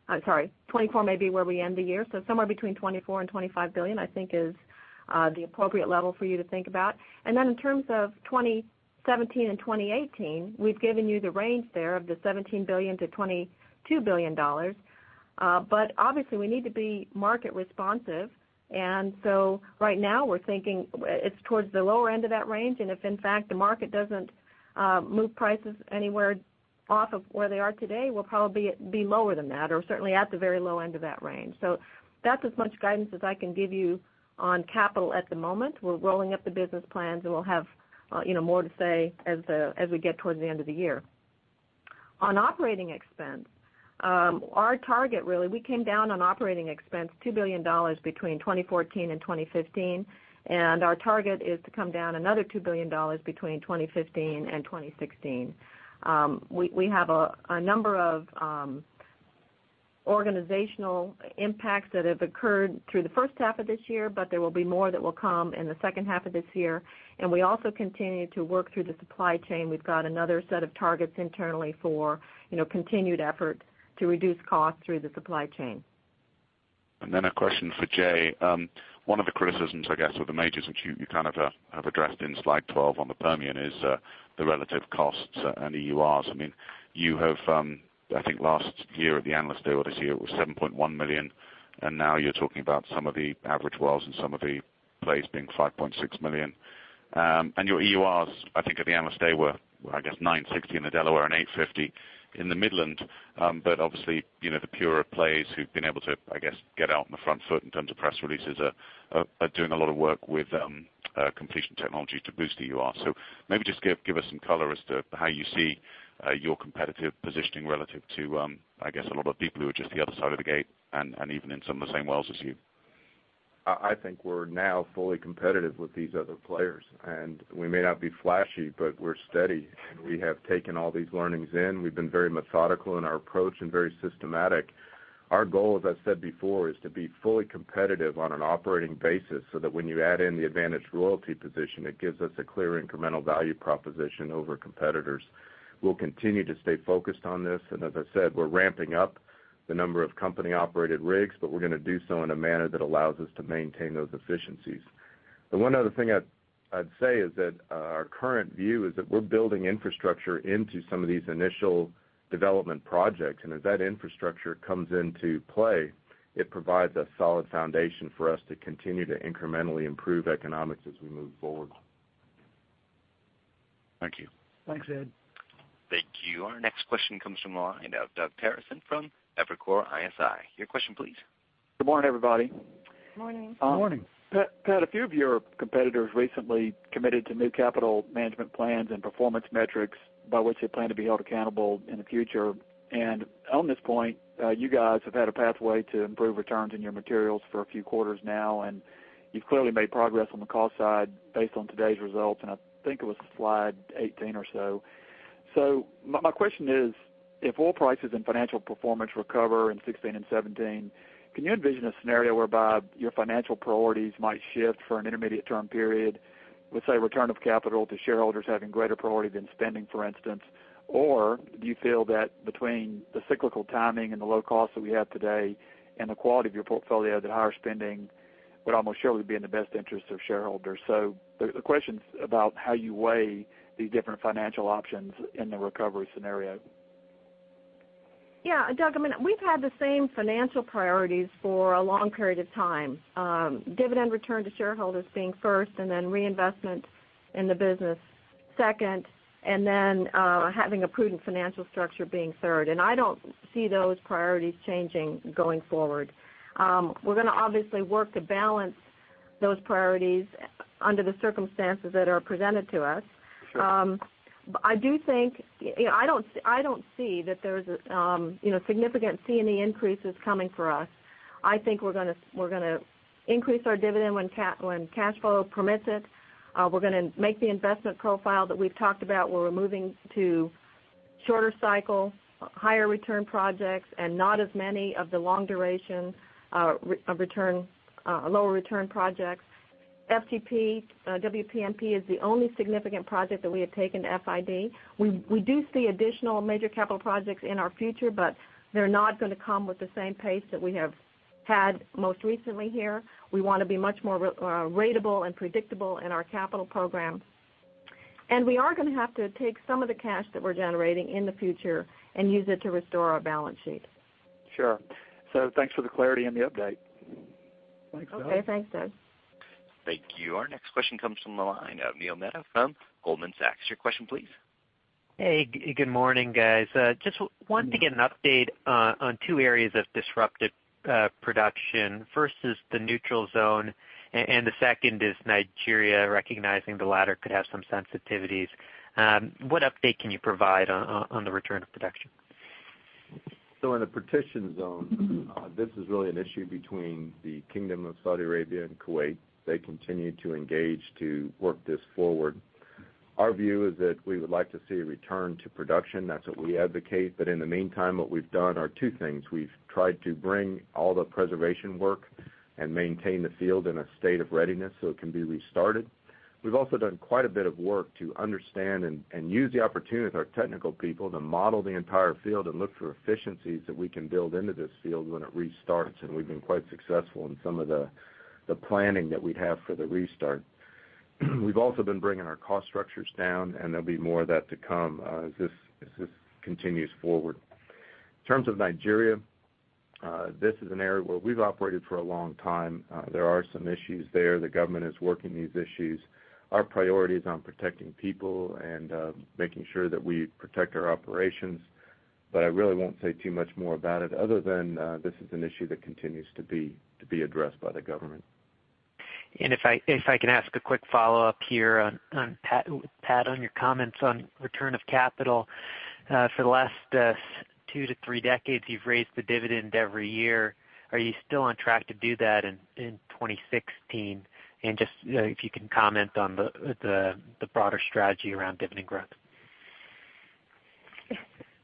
I'm sorry, 24 may be where we end the year. Somewhere between $24 billion and $25 billion, I think is the appropriate level for you to think about. In terms of 2017 and 2018, we've given you the range there of the $17 billion to $22 billion. Obviously, we need to be market responsive. Right now we're thinking it's towards the lower end of that range. If, in fact, the market doesn't move prices anywhere off of where they are today, we'll probably be lower than that or certainly at the very low end of that range. That's as much guidance as I can give you on capital at the moment. We're rolling up the business plans, and we'll have more to say as we get towards the end of the year. On operating expense, our target really, we came down on operating expense $2 billion between 2014 and 2015, and our target is to come down another $2 billion between 2015 and 2016. We have a number of organizational impacts that have occurred through the first half of this year. There will be more that will come in the second half of this year, and we also continue to work through the supply chain. We've got another set of targets internally for continued effort to reduce cost through the supply chain. A question for Jay. One of the criticisms, I guess, with the majors, which you kind of have addressed in slide 12 on the Permian, is the relative costs and EURs. I think last year at the Analyst Day or this year, it was $7.1 million, and now you're talking about some of the average wells and some of the plays being $5.6 million. Your EURs, I think at the Analyst Day were, I guess, 960 in the Delaware and 850 in the Midland. Obviously, the pure plays who've been able to, I guess, get out on the front foot in terms of press releases are doing a lot of work with completion technology to boost EURs. Maybe just give us some color as to how you see your competitive positioning relative to, I guess, a lot of people who are just the other side of the gate and even in some of the same wells as you. I think we're now fully competitive with these other players. We may not be flashy, but we're steady, and we have taken all these learnings in. We've been very methodical in our approach and very systematic. Our goal, as I said before, is to be fully competitive on an operating basis so that when you add in the advantage royalty position, it gives us a clear incremental value proposition over competitors. We'll continue to stay focused on this. As I said, we're ramping up the number of company-operated rigs, but we're going to do so in a manner that allows us to maintain those efficiencies. The one other thing I'd say is that our current view is that we're building infrastructure into some of these initial development projects. As that infrastructure comes into play, it provides a solid foundation for us to continue to incrementally improve economics as we move forward. Thank you. Thanks, Ed. Thank you. Our next question comes from the line of Doug Terreson from Evercore ISI. Your question, please. Good morning, everybody. Morning. Morning. Pat, a few of your competitors recently committed to new capital management plans and performance metrics by which they plan to be held accountable in the future. On this point, you guys have had a pathway to improve returns in your materials for a few quarters now, and you've clearly made progress on the cost side based on today's results, and I think it was slide 18 or so. My question is, if oil prices and financial performance recover in 2016 and 2017, can you envision a scenario whereby your financial priorities might shift for an intermediate term period, with, say, return of capital to shareholders having greater priority than spending, for instance? Do you feel that between the cyclical timing and the low cost that we have today and the quality of your portfolio, that higher spending would almost surely be in the best interest of shareholders? The question's about how you weigh these different financial options in the recovery scenario. Yeah. Doug, we've had the same financial priorities for a long period of time. Dividend return to shareholders being first, then reinvestment in the business second, then having a prudent financial structure being third. I don't see those priorities changing going forward. We're going to obviously work to balance those priorities under the circumstances that are presented to us. Sure. I don't see that there's significant C&E increases coming for us. I think we're going to increase our dividend when cash flow permits it. We're going to make the investment profile that we've talked about, where we're moving to shorter cycle, higher return projects, not as many of the long duration lower return projects. FGP-WPMP is the only significant project that we have taken FID. We do see additional major capital projects in our future, they're not going to come with the same pace that we have had most recently here. We want to be much more ratable and predictable in our capital program. We are going to have to take some of the cash that we're generating in the future and use it to restore our balance sheet. Sure. Thanks for the clarity and the update. Okay. Thanks, Doug. Thank you. Our next question comes from the line of Neil Mehta from Goldman Sachs. Your question, please. Hey, good morning, guys. Just wanted to get an update on two areas of disrupted production. First is the Partitioned Zone, the second is Nigeria, recognizing the latter could have some sensitivities. What update can you provide on the return of production? In the Partitioned Zone, this is really an issue between the Kingdom of Saudi Arabia and Kuwait. They continue to engage to work this forward. Our view is that we would like to see a return to production. That's what we advocate. In the meantime, what we've done are two things. We've tried to bring all the preservation work and maintain the field in a state of readiness so it can be restarted. We've also done quite a bit of work to understand and use the opportunity with our technical people to model the entire field and look for efficiencies that we can build into this field when it restarts, we've been quite successful in some of the planning that we have for the restart. We've also been bringing our cost structures down, there'll be more of that to come as this continues forward. In terms of Nigeria, this is an area where we've operated for a long time. There are some issues there. The government is working these issues. Our priority is on protecting people and making sure that we protect our operations. I really won't say too much more about it other than this is an issue that continues to be addressed by the government. If I can ask a quick follow-up here, Pat, on your comments on return of capital. For the last two to three decades, you've raised the dividend every year. Are you still on track to do that in 2016? Just if you can comment on the broader strategy around dividend growth.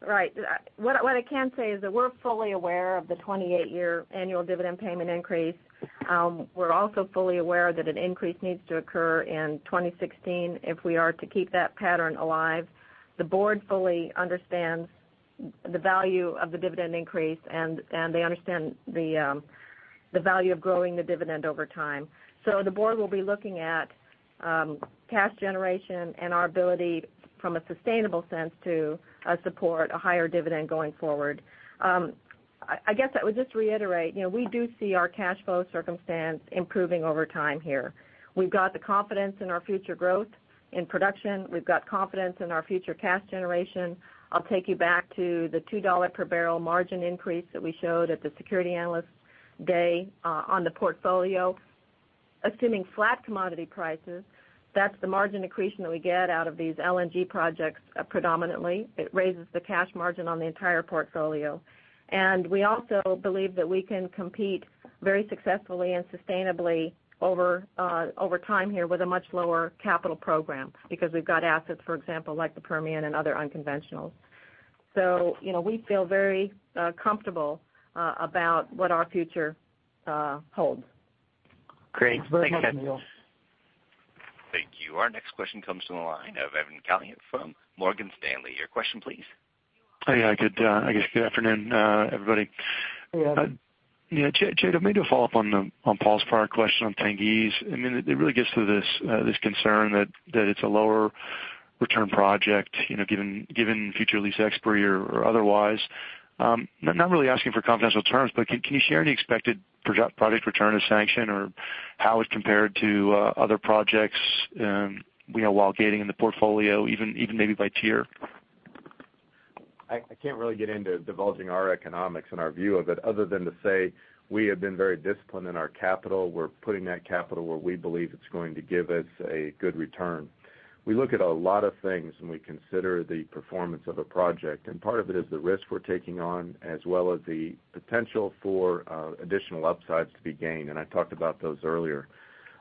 Right. What I can say is that we're fully aware of the 28-year annual dividend payment increase. We're also fully aware that an increase needs to occur in 2016 if we are to keep that pattern alive. The board fully understands the value of the dividend increase, and they understand the value of growing the dividend over time. The board will be looking at cash generation and our ability from a sustainable sense to support a higher dividend going forward. I guess I would just reiterate, we do see our cash flow circumstance improving over time here. We've got the confidence in our future growth in production. We've got confidence in our future cash generation. I'll take you back to the $2 per barrel margin increase that we showed at the Security Analyst Day on the portfolio. Assuming flat commodity prices, that's the margin accretion that we get out of these LNG projects predominantly. It raises the cash margin on the entire portfolio. We also believe that we can compete very successfully and sustainably over time here with a much lower capital program because we've got assets, for example, like the Permian and other unconventionals. We feel very comfortable about what our future holds. Great. Thanks. Thank you. Our next question comes from the line of Evan Calio from Morgan Stanley. Your question, please. Yeah. I guess good afternoon, everybody. Hey, Evan. Yeah. Jay, maybe to follow up on Paul's prior question on Tengiz. It really gets to this concern that it's a lower return project given future lease expiry or otherwise. I'm not really asking for confidential terms, but can you share any expected project return of sanction or how it compared to other projects while gating in the portfolio, even maybe by tier? I can't really get into divulging our economics and our view of it other than to say we have been very disciplined in our capital. We're putting that capital where we believe it's going to give us a good return. We look at a lot of things when we consider the performance of a project, and part of it is the risk we're taking on, as well as the potential for additional upsides to be gained, and I talked about those earlier.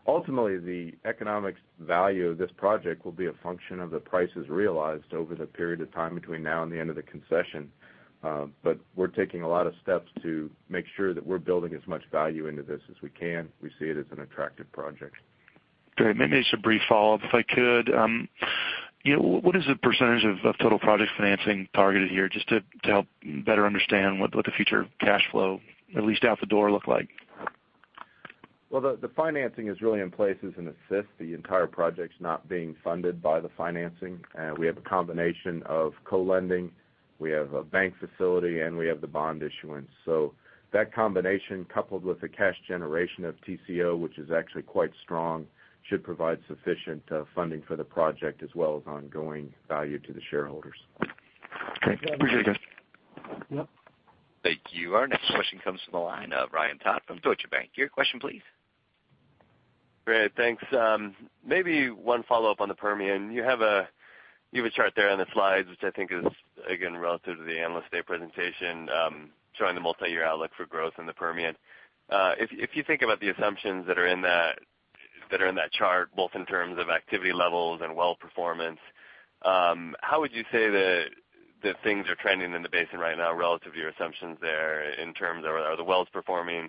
Ultimately, the economic value of this project will be a function of the prices realized over the period of time between now and the end of the concession. We're taking a lot of steps to make sure that we're building as much value into this as we can. We see it as an attractive project. Great. Maybe just a brief follow-up, if I could. What is the % of total project financing targeted here, just to help better understand what the future cash flow, at least out the door, look like? Well, the financing is really in place as an assist. The entire project's not being funded by the financing. We have a combination of co-lending. We have a bank facility, and we have the bond issuance. That combination, coupled with the cash generation of Tengizchevroil, which is actually quite strong, should provide sufficient funding for the project as well as ongoing value to the shareholders. Okay. Appreciate it, guys. Thank you. Our next question comes from the line of Ryan Todd from Deutsche Bank. Your question, please. Great. Thanks. Maybe one follow-up on the Permian. You have a chart there on the slides, which I think is again relative to the Analyst Day presentation, showing the multi-year outlook for growth in the Permian. If you think about the assumptions that are in that chart, both in terms of activity levels and well performance, how would you say that things are trending in the basin right now relative to your assumptions there in terms of are the wells performing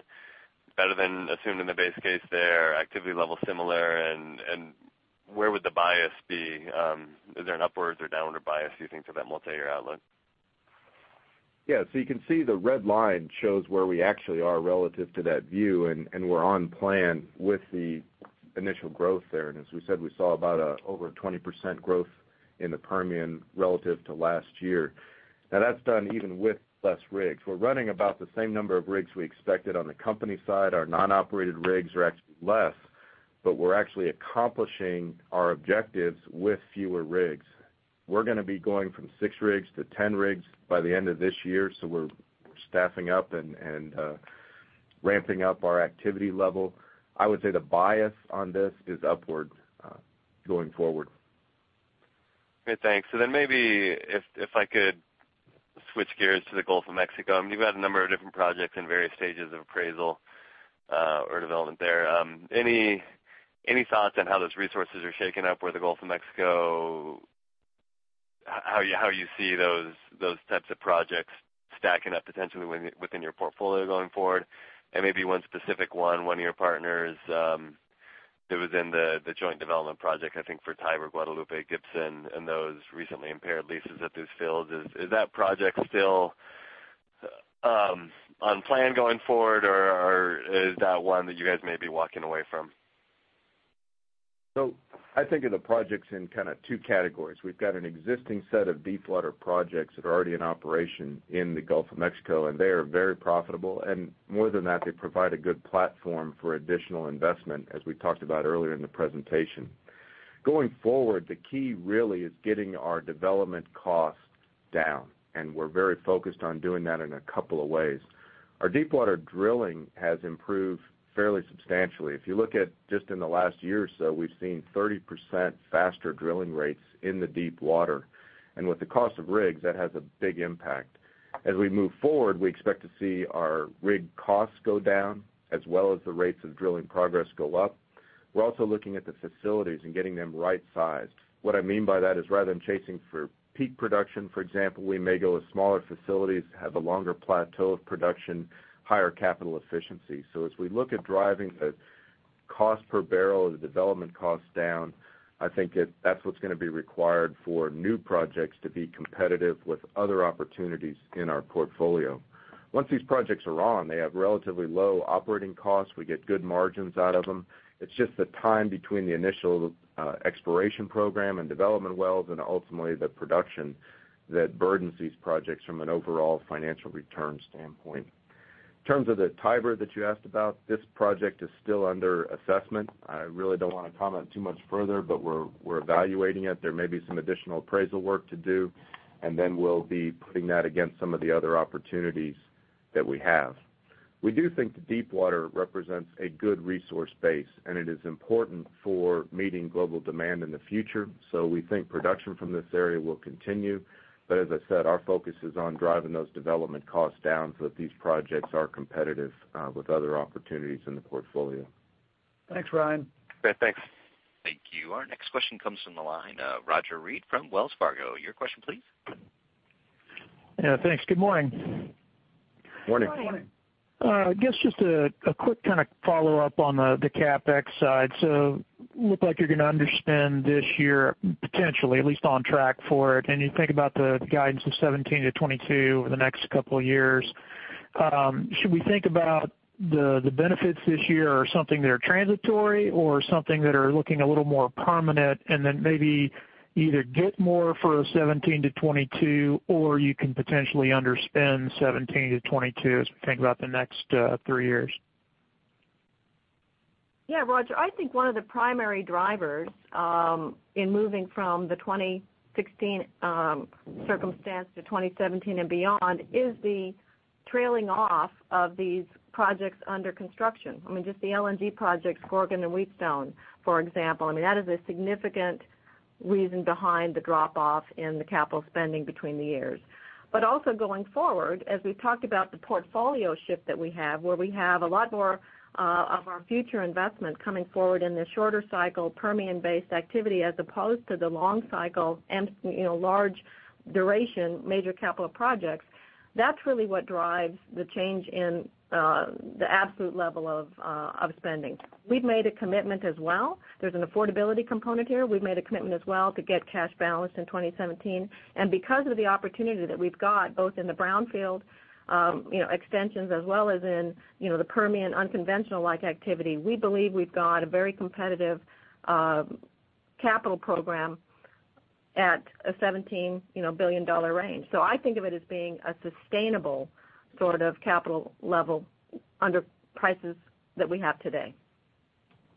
better than assumed in the base case there? Where would the bias be? Is there an upwards or downwards bias, do you think, for that multi-year outlook? Yeah. You can see the red line shows where we actually are relative to that view. We're on plan with the initial growth there. As we said, we saw about over a 20% growth in the Permian relative to last year. Now, that's done even with less rigs. We're running about the same number of rigs we expected on the company side. Our non-operated rigs are actually less. We're actually accomplishing our objectives with fewer rigs. We're going to be going from six rigs to 10 rigs by the end of this year. We're staffing up and ramping up our activity level. I would say the bias on this is upward going forward. Great, thanks. Maybe if I could switch gears to the Gulf of Mexico. You've got a number of different projects in various stages of appraisal or development there. Any thoughts on how those resources are shaking up or the Gulf of Mexico? How you see those types of projects stacking up potentially within your portfolio going forward? Maybe one specific one of your partners that was in the joint development project, I think for Tiber, Guadalupe, Gila, and those recently impaired leases at those fields. Is that project still on plan going forward, or is that one that you guys may be walking away from? I think of the projects in 2 categories. We've got an existing set of deepwater projects that are already in operation in the Gulf of Mexico, and they are very profitable. More than that, they provide a good platform for additional investment, as we talked about earlier in the presentation. Going forward, the key really is getting our development costs down, and we're very focused on doing that in a couple of ways. Our deepwater drilling has improved fairly substantially. If you look at just in the last year or so, we've seen 30% faster drilling rates in the deepwater. With the cost of rigs, that has a big impact. As we move forward, we expect to see our rig costs go down as well as the rates of drilling progress go up. We're also looking at the facilities and getting them right-sized. What I mean by that is rather than chasing for peak production, for example, we may go with smaller facilities to have a longer plateau of production, higher capital efficiency. As we look at driving the cost per barrel of the development costs down, I think that's what's going to be required for new projects to be competitive with other opportunities in our portfolio. Once these projects are on, they have relatively low operating costs. We get good margins out of them. It's just the time between the initial exploration program and development wells and ultimately the production that burdens these projects from an overall financial return standpoint. In terms of the Tiber that you asked about, this project is still under assessment. I really don't want to comment too much further, but we're evaluating it. There may be some additional appraisal work to do, we'll be putting that against some of the other opportunities that we have. We do think the deepwater represents a good resource base, it is important for meeting global demand in the future. We think production from this area will continue. As I said, our focus is on driving those development costs down so that these projects are competitive with other opportunities in the portfolio. Thanks, Ryan. Okay, thanks. Thank you. Our next question comes from the line, Roger Read from Wells Fargo. Your question please. Yeah, thanks. Good morning. Morning. Morning. I guess just a quick follow-up on the CapEx side. Look like you're going to underspend this year potentially at least on track for it. You think about the guidance of $17-$22 over the next couple of years. Should we think about the benefits this year are something that are transitory or something that are looking a little more permanent and then maybe either get more for a $17-$22, or you can potentially underspend $17-$22 as we think about the next three years? Yeah, Roger, I think one of the primary drivers in moving from the 2016 circumstance to 2017 and beyond is the trailing off of these projects under construction. I mean, just the LNG projects, Gorgon and Wheatstone, for example. I mean, that is a significant reason behind the drop-off in the capital spending between the years. Also going forward, as we've talked about the portfolio shift that we have, where we have a lot more of our future investment coming forward in the shorter cycle Permian-based activity as opposed to the long cycle and large duration major capital projects. That's really what drives the change in the absolute level of spending. We've made a commitment as well. There's an affordability component here. We've made a commitment as well to get cash balanced in 2017. Because of the opportunity that we've got both in the brownfield extensions as well as in the Permian unconventional-like activity, we believe we've got a very competitive capital program at a $17 billion range. I think of it as being a sustainable capital level under prices that we have today.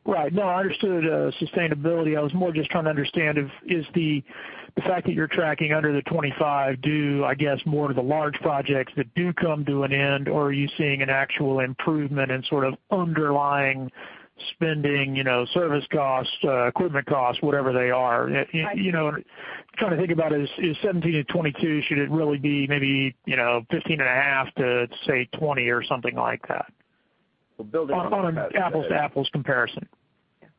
Right. No, I understood sustainability. I was more just trying to understand is the fact that you're tracking under the $25 billion due, I guess, more to the large projects that do come to an end, or are you seeing an actual improvement in underlying spending, service cost, equipment cost, whatever they are? I- Trying to think about is $17 billion-$22 billion, should it really be maybe $15 and a half billion to, say, $20 billion or something like that? Well, building on what Pat said. On an apples-to-apples comparison.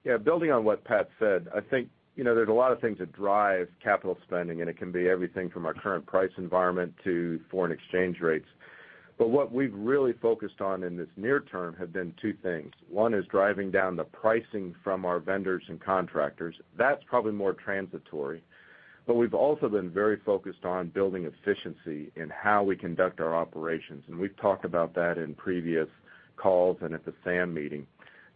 Yeah, building on what Pat said, I think there's a lot of things that drive capital spending. It can be everything from our current price environment to foreign exchange rates. What we've really focused on in this near term have been two things. One is driving down the pricing from our vendors and contractors. That's probably more transitory, but we've also been very focused on building efficiency in how we conduct our operations, and we've talked about that in previous calls and at the SAM meeting.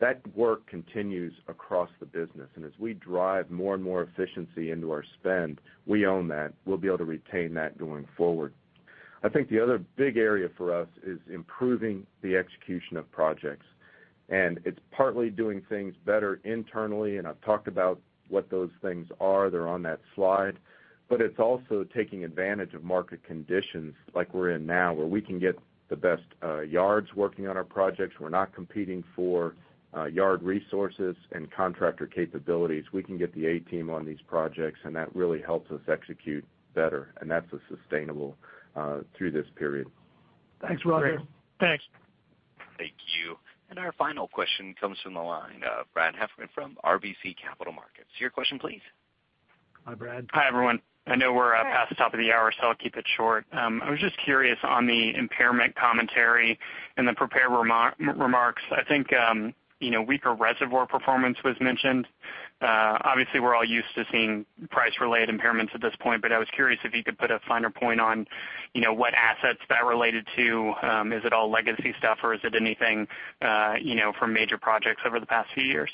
That work continues across the business, and as we drive more and more efficiency into our spend, we own that. We'll be able to retain that going forward. I think the other big area for us is improving the execution of projects. It's partly doing things better internally, and I've talked about what those things are. They're on that slide. It's also taking advantage of market conditions like we're in now, where we can get the best yards working on our projects. We're not competing for yard resources and contractor capabilities. We can get the A team on these projects, and that really helps us execute better, and that's sustainable through this period. Thanks, Roger. Great. Thanks. Thank you. Our final question comes from the line of Brad Heffern from RBC Capital Markets. Your question, please. Hi, Brad. Hi, everyone. I know we're past the top of the hour, so I'll keep it short. I was just curious on the impairment commentary in the prepared remarks. I think weaker reservoir performance was mentioned. Obviously, we're all used to seeing price-related impairments at this point, but I was curious if you could put a finer point on what assets that related to. Is it all legacy stuff or is it anything from major projects over the past few years?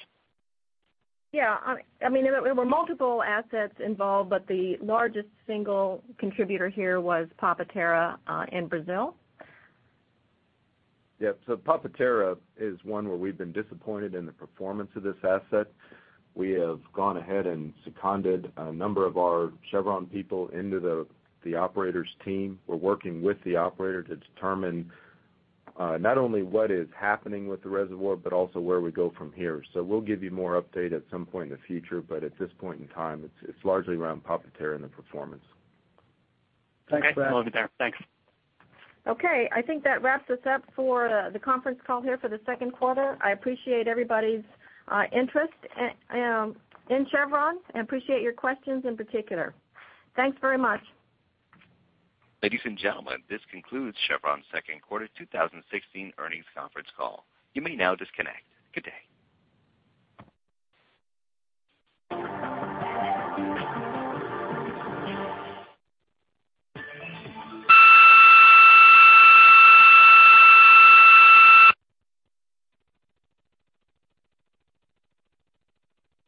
Yeah. There were multiple assets involved, but the largest single contributor here was Papa-Terra in Brazil. Yeah. Papa-Terra is one where we've been disappointed in the performance of this asset. We have gone ahead and seconded a number of our Chevron people into the operator's team. We're working with the operator to determine not only what is happening with the reservoir, but also where we go from here. We'll give you more update at some point in the future. At this point in time, it's largely around Papa-Terra and the performance. Thanks, Brad. Okay. I think that wraps us up for the conference call here for the second quarter. I appreciate everybody's interest in Chevron and appreciate your questions in particular. Thanks very much. Ladies and gentlemen, this concludes Chevron's second quarter 2016 earnings conference call. You may now disconnect. Good day.